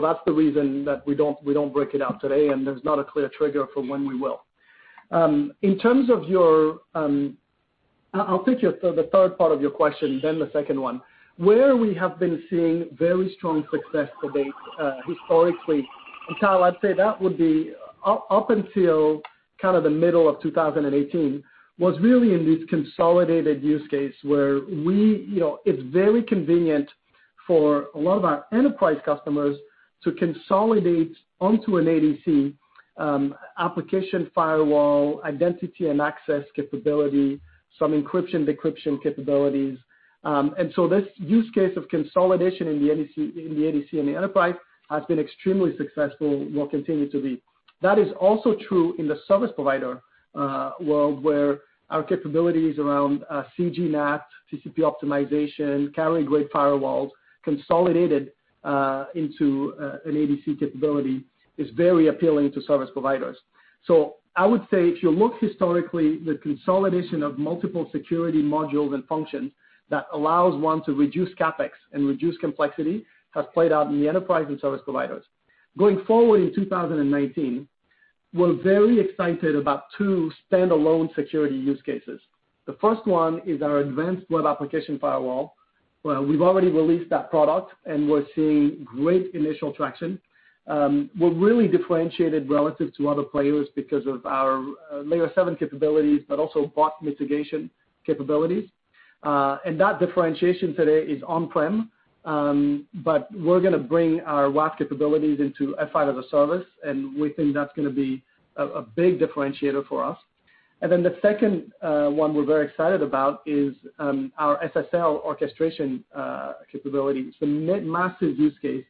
That's the reason that we don't break it out today, and there's not a clear trigger for when we will. I'll take the third part of your question then the second one. Where we have been seeing very strong success to date historically, and Tal, I'd say that would be up until kind of the middle of 2018, was really in this consolidated use case where it's very convenient for a lot of our enterprise customers to consolidate onto an ADC application firewall, identity and access capability, some encryption, decryption capabilities. This use case of consolidation in the ADC, in the enterprise has been extremely successful, will continue to be. That is also true in the service provider world, where our capabilities around CG NAT, TCP optimization, carrier-grade firewalls consolidated into an ADC capability is very appealing to service providers. I would say if you look historically, the consolidation of multiple security modules and functions that allows one to reduce CapEx and reduce complexity has played out in the enterprise and service providers. Going forward in 2019, we're very excited about two standalone security use cases. The first one is our Advanced Web Application Firewall, where we've already released that product and we're seeing great initial traction. We're really differentiated relative to other players because of our layer 7 capabilities, but also bot mitigation capabilities. That differentiation today is on-prem, but we're going to bring our WAF capabilities into F5 as a Service, and we think that's going to be a big differentiator for us. The second one we're very excited about is our SSL orchestration capabilities. It's a massive use case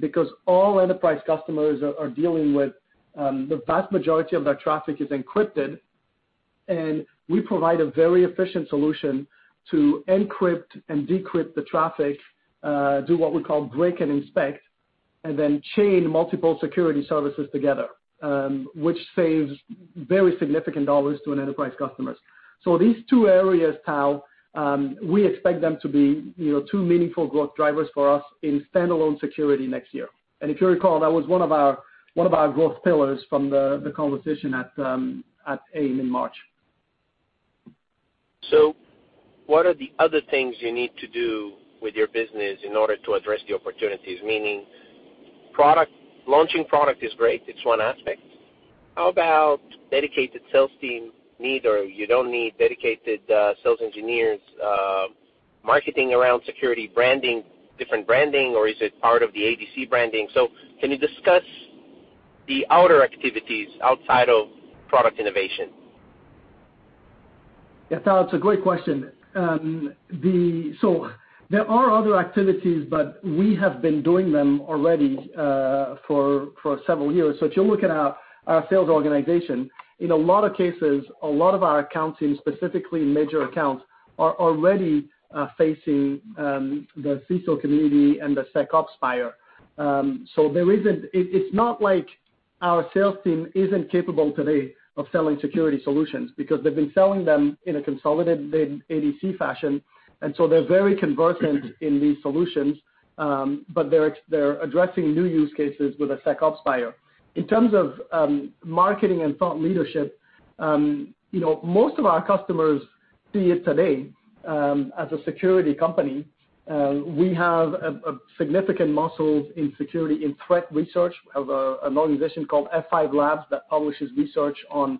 because all enterprise customers are dealing with the vast majority of their traffic is encrypted, and we provide a very efficient solution to encrypt and decrypt the traffic, do what we call break and inspect, and then chain multiple security services together which saves very significant dollars to an enterprise customers. These two areas, Tal, we expect them to be two meaningful growth drivers for us in standalone security next year. If you recall, that was one of our growth pillars from the conversation at AIM in March. What are the other things you need to do with your business in order to address the opportunities? Meaning launching product is great. It's one aspect. How about dedicated sales team need or you don't need dedicated sales engineers, marketing around security branding, different branding, or is it part of the ADC branding? Can you discuss the outer activities outside of product innovation? Yeah, Tal, it's a great question. There are other activities, but we have been doing them already for several years. If you look at our sales organization, in a lot of cases, a lot of our accounts, and specifically major accounts, are already facing the CISO community and the SecOps buyer. It's not like our sales team isn't capable today of selling security solutions because they've been selling them in a consolidated ADC fashion, and they're very conversant in these solutions, but they're addressing new use cases with a SecOps buyer. In terms of marketing and thought leadership, most of our customers see it today as a security company. We have a significant muscle in security in threat research. We have an organization called F5 Labs that publishes research on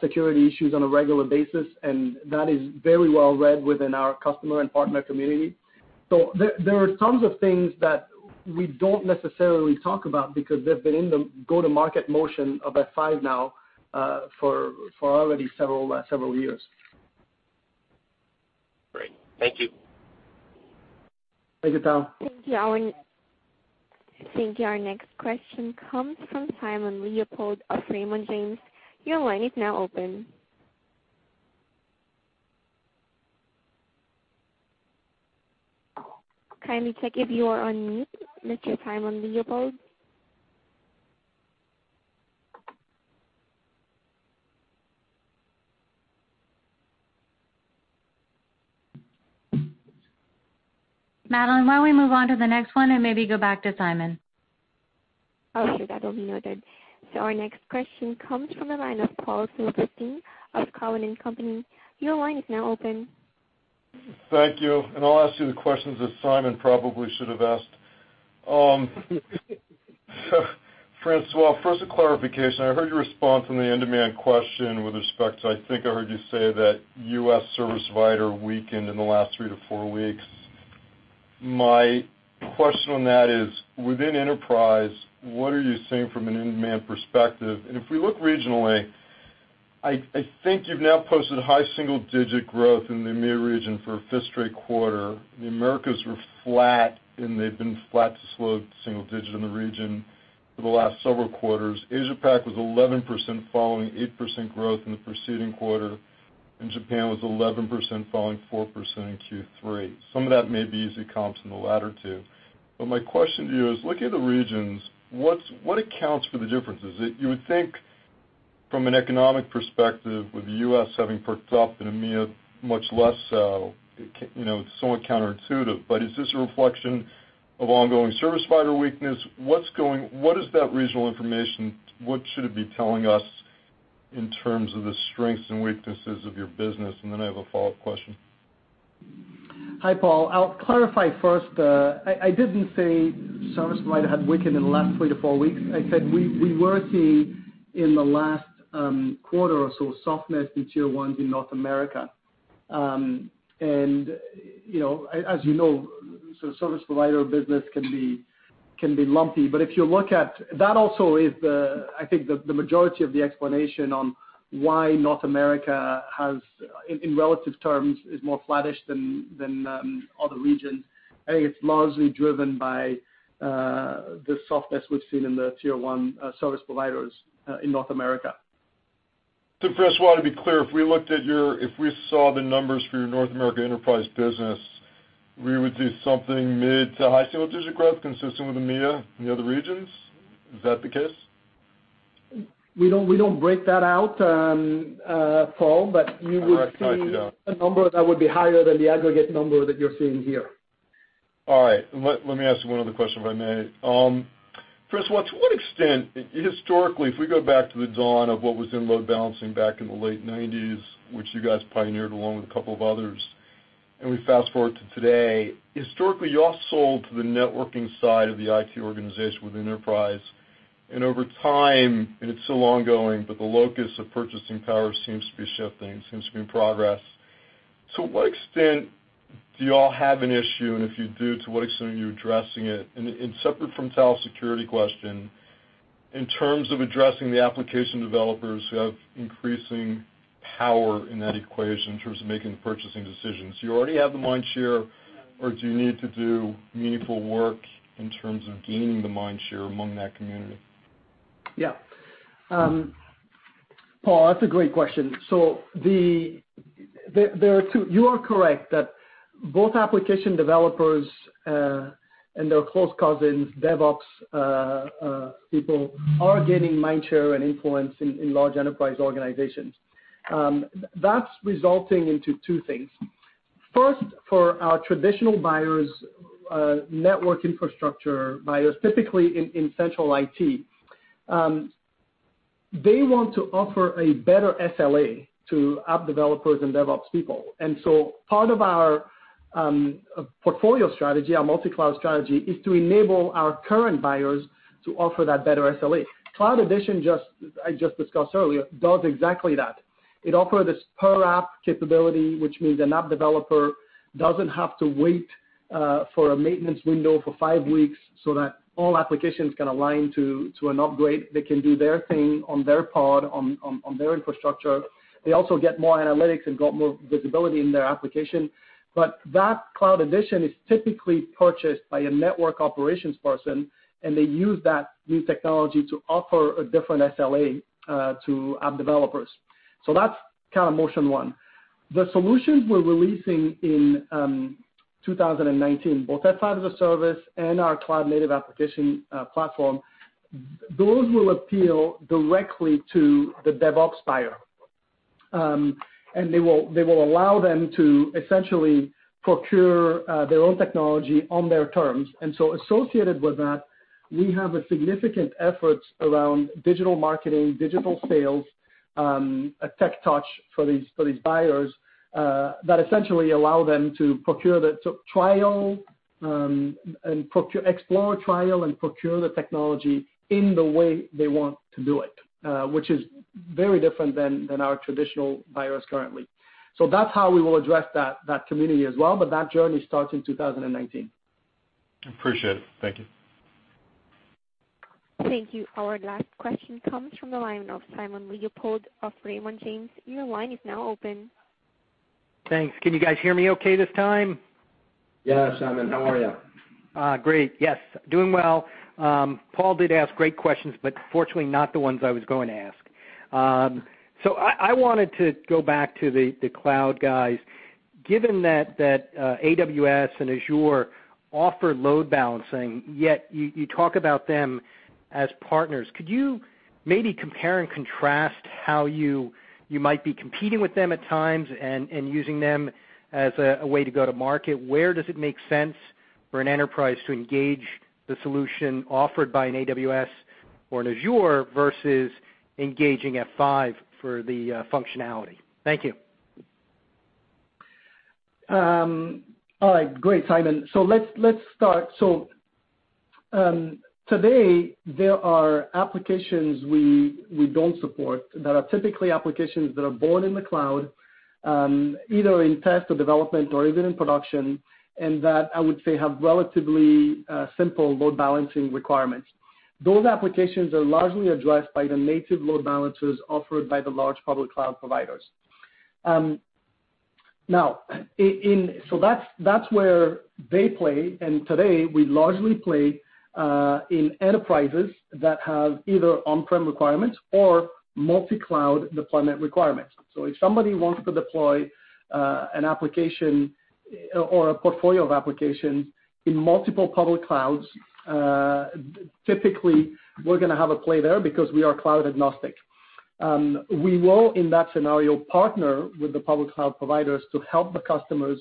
security issues on a regular basis. That is very well read within our customer and partner community. There are tons of things that we don't necessarily talk about because they've been in the go-to-market motion of F5 now for already several years. Great. Thank you. Thank you, Tal. Thank you. Our next question comes from Simon Leopold of Raymond James. Your line is now open. Kindly check if you are on mute, Mr. Simon Leopold. Madeline, why don't we move on to the next one and maybe go back to Simon? Okay, that will be noted. Our next question comes from the line of Paul Silverstein of Cowen and Company. Your line is now open. Thank you. I'll ask you the questions that Simon probably should have asked. François, first a clarification. I heard your response on the in-demand question with respect to, I think I heard you say that U.S. service provider weakened in the last three to four weeks. My question on that is within enterprise, what are you seeing from an in-demand perspective? If we look regionally, I think you've now posted high single-digit growth in the EMEA region for a fifth straight quarter. The Americas were flat, and they've been flat to slow to single digit in the region for the last several quarters. Asia PAC was 11% following 8% growth in the preceding quarter, and Japan was 11% following 4% in Q3. Some of that may be easy comps in the latter two. My question to you is looking at the regions, what accounts for the differences? You would think from an economic perspective with the U.S. having perked up and EMEA much less so, it's somewhat counterintuitive, but is this a reflection of ongoing service provider weakness? What is that regional information? What should it be telling us in terms of the strengths and weaknesses of your business? I have a follow-up question. Hi, Paul. I'll clarify first. I didn't say service provider had weakened in the last three to four weeks. I said we were seeing in the last quarter or so, softness in Tier 1s in North America. As you know, service provider business can be lumpy. That also is, I think, the majority of the explanation on why North America has, in relative terms, is more flattish than other regions. I think it's largely driven by the softness we've seen in the Tier 1 service providers in North America. François, to be clear, if we saw the numbers for your North America enterprise business, we would see something mid to high single digit growth consistent with EMEA and the other regions? Is that the case? We don't break that out, Paul, but you would see- All right. I see that. a number that would be higher than the aggregate number that you're seeing here. All right. Let me ask you one other question, if I may. François, to what extent, historically, if we go back to the dawn of what was in load balancing back in the late nineties, which you guys pioneered along with a couple of others, we fast-forward to today. Historically, you all sold to the networking side of the IT organization with enterprise, and over time, and it's still ongoing, but the locus of purchasing power seems to be shifting, seems to be in progress. To what extent do you all have an issue? If you do, to what extent are you addressing it? Separate from Tal's security question, in terms of addressing the application developers who have increasing power in that equation in terms of making the purchasing decisions, do you already have the mind share or do you need to do meaningful work in terms of gaining the mind share among that community? Yeah. Paul, that's a great question. You are correct that both application developers, and their close cousins, DevOps people, are gaining mind share and influence in large enterprise organizations. That's resulting into two things. First, for our traditional buyers, network infrastructure buyers, typically in central IT, they want to offer a better SLA to app developers and DevOps people. So part of our portfolio strategy, our multi-cloud strategy, is to enable our current buyers to offer that better SLA. Cloud Edition, I just discussed earlier, does exactly that. It offers this per app capability, which means an app developer doesn't have to wait for a maintenance window for five weeks so that all applications can align to an upgrade. They can do their thing on their pod, on their infrastructure. They also get more analytics and got more visibility in their application. That Cloud Edition is typically purchased by a network operations person, and they use that new technology to offer a different SLA to app developers. That's kind of motion one. The solutions we're releasing in 2019, both F5 as a Service and our cloud native application platform, those will appeal directly to the DevOps buyer. They will allow them to essentially procure their own technology on their terms. Associated with that, we have a significant effort around digital marketing, digital sales, a tech touch for these buyers that essentially allow them to trial and procure, explore, trial, and procure the technology in the way they want to do it, which is very different than our traditional buyers currently. That's how we will address that community as well but that journey starts in 2019. I appreciate it. Thank you. Thank you. Our last question comes from the line of Simon Leopold of Raymond James. Your line is now open. Thanks. Can you guys hear me okay this time? Yeah, Simon, how are you? Great. Yes, doing well. Paul did ask great questions, fortunately not the ones I was going to ask. I wanted to go back to the cloud guys. Given that AWS and Azure offer load balancing, yet you talk about them as partners. Could you maybe compare and contrast how you might be competing with them at times and using them as a way to go to market? Where does it make sense for an enterprise to engage the solution offered by an AWS or an Azure versus engaging F5 for the functionality? Thank you. All right. Great, Simon. Let's start. Today there are applications we don't support that are typically applications that are born in the cloud, either in test or development or even in production, and that I would say have relatively simple load balancing requirements. Those applications are largely addressed by the native load balancers offered by the large public cloud providers. Now, that's where they play. Today we largely play in enterprises that have either on-prem requirements or multi-cloud deployment requirements. If somebody wants to deploy an application or a portfolio of applications in multiple public clouds, typically we're going to have a play there because we are cloud agnostic. We will, in that scenario, partner with the public cloud providers to help the customers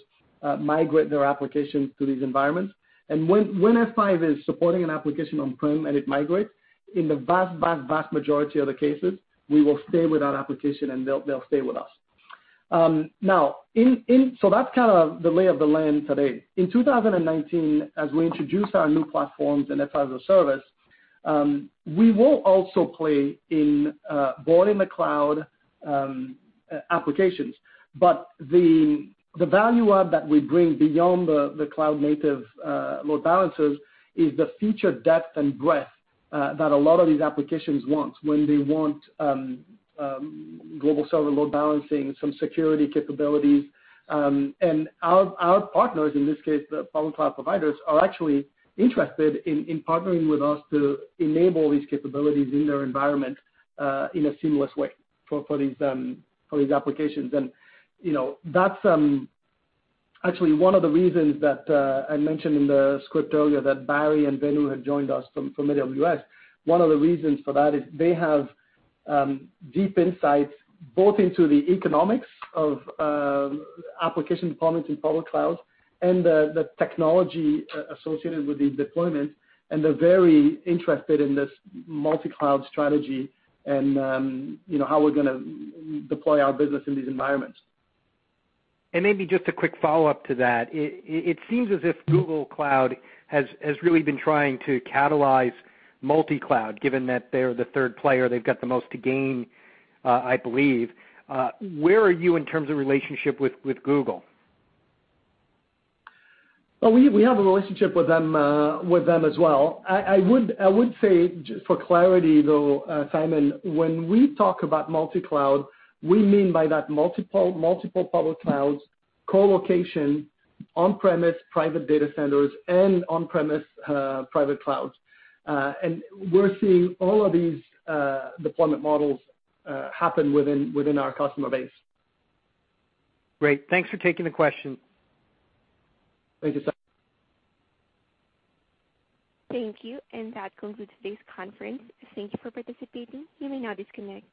migrate their applications to these environments. When F5 is supporting an application on-prem and it migrates, in the vast majority of the cases, we will stay with that application, and they'll stay with us. Now, that's kind of the lay of the land today. In 2019, as we introduce our new platforms and F5 as a Service, we will also play in born-in-the-cloud applications. The value add that we bring beyond the cloud native load balancers is the feature depth and breadth that a lot of these applications want when they want global server load balancing, some security capabilities. Our partners, in this case, the public cloud providers, are actually interested in partnering with us to enable these capabilities in their environment, in a seamless way for these applications. That's actually one of the reasons that I mentioned in the script earlier, that Barry and Venu have joined us from AWS. One of the reasons for that is they have deep insights both into the economics of application deployment in public clouds and the technology associated with these deployments. They're very interested in this multi-cloud strategy and how we're going to deploy our business in these environments. Maybe just a quick follow-up to that. It seems as if Google Cloud has really been trying to catalyze multi-cloud, given that they're the third player. They've got the most to gain, I believe. Where are you in terms of relationship with Google? Well, we have a relationship with them as well. I would say, for clarity though, Simon, when we talk about multi-cloud, we mean by that multiple public clouds, co-location, on-premise private data centers, and on-premise private clouds. We're seeing all of these deployment models happen within our customer base. Great. Thanks for taking the question. Thank you, Simon. Thank you. That concludes today's conference. Thank you for participating. You may now disconnect.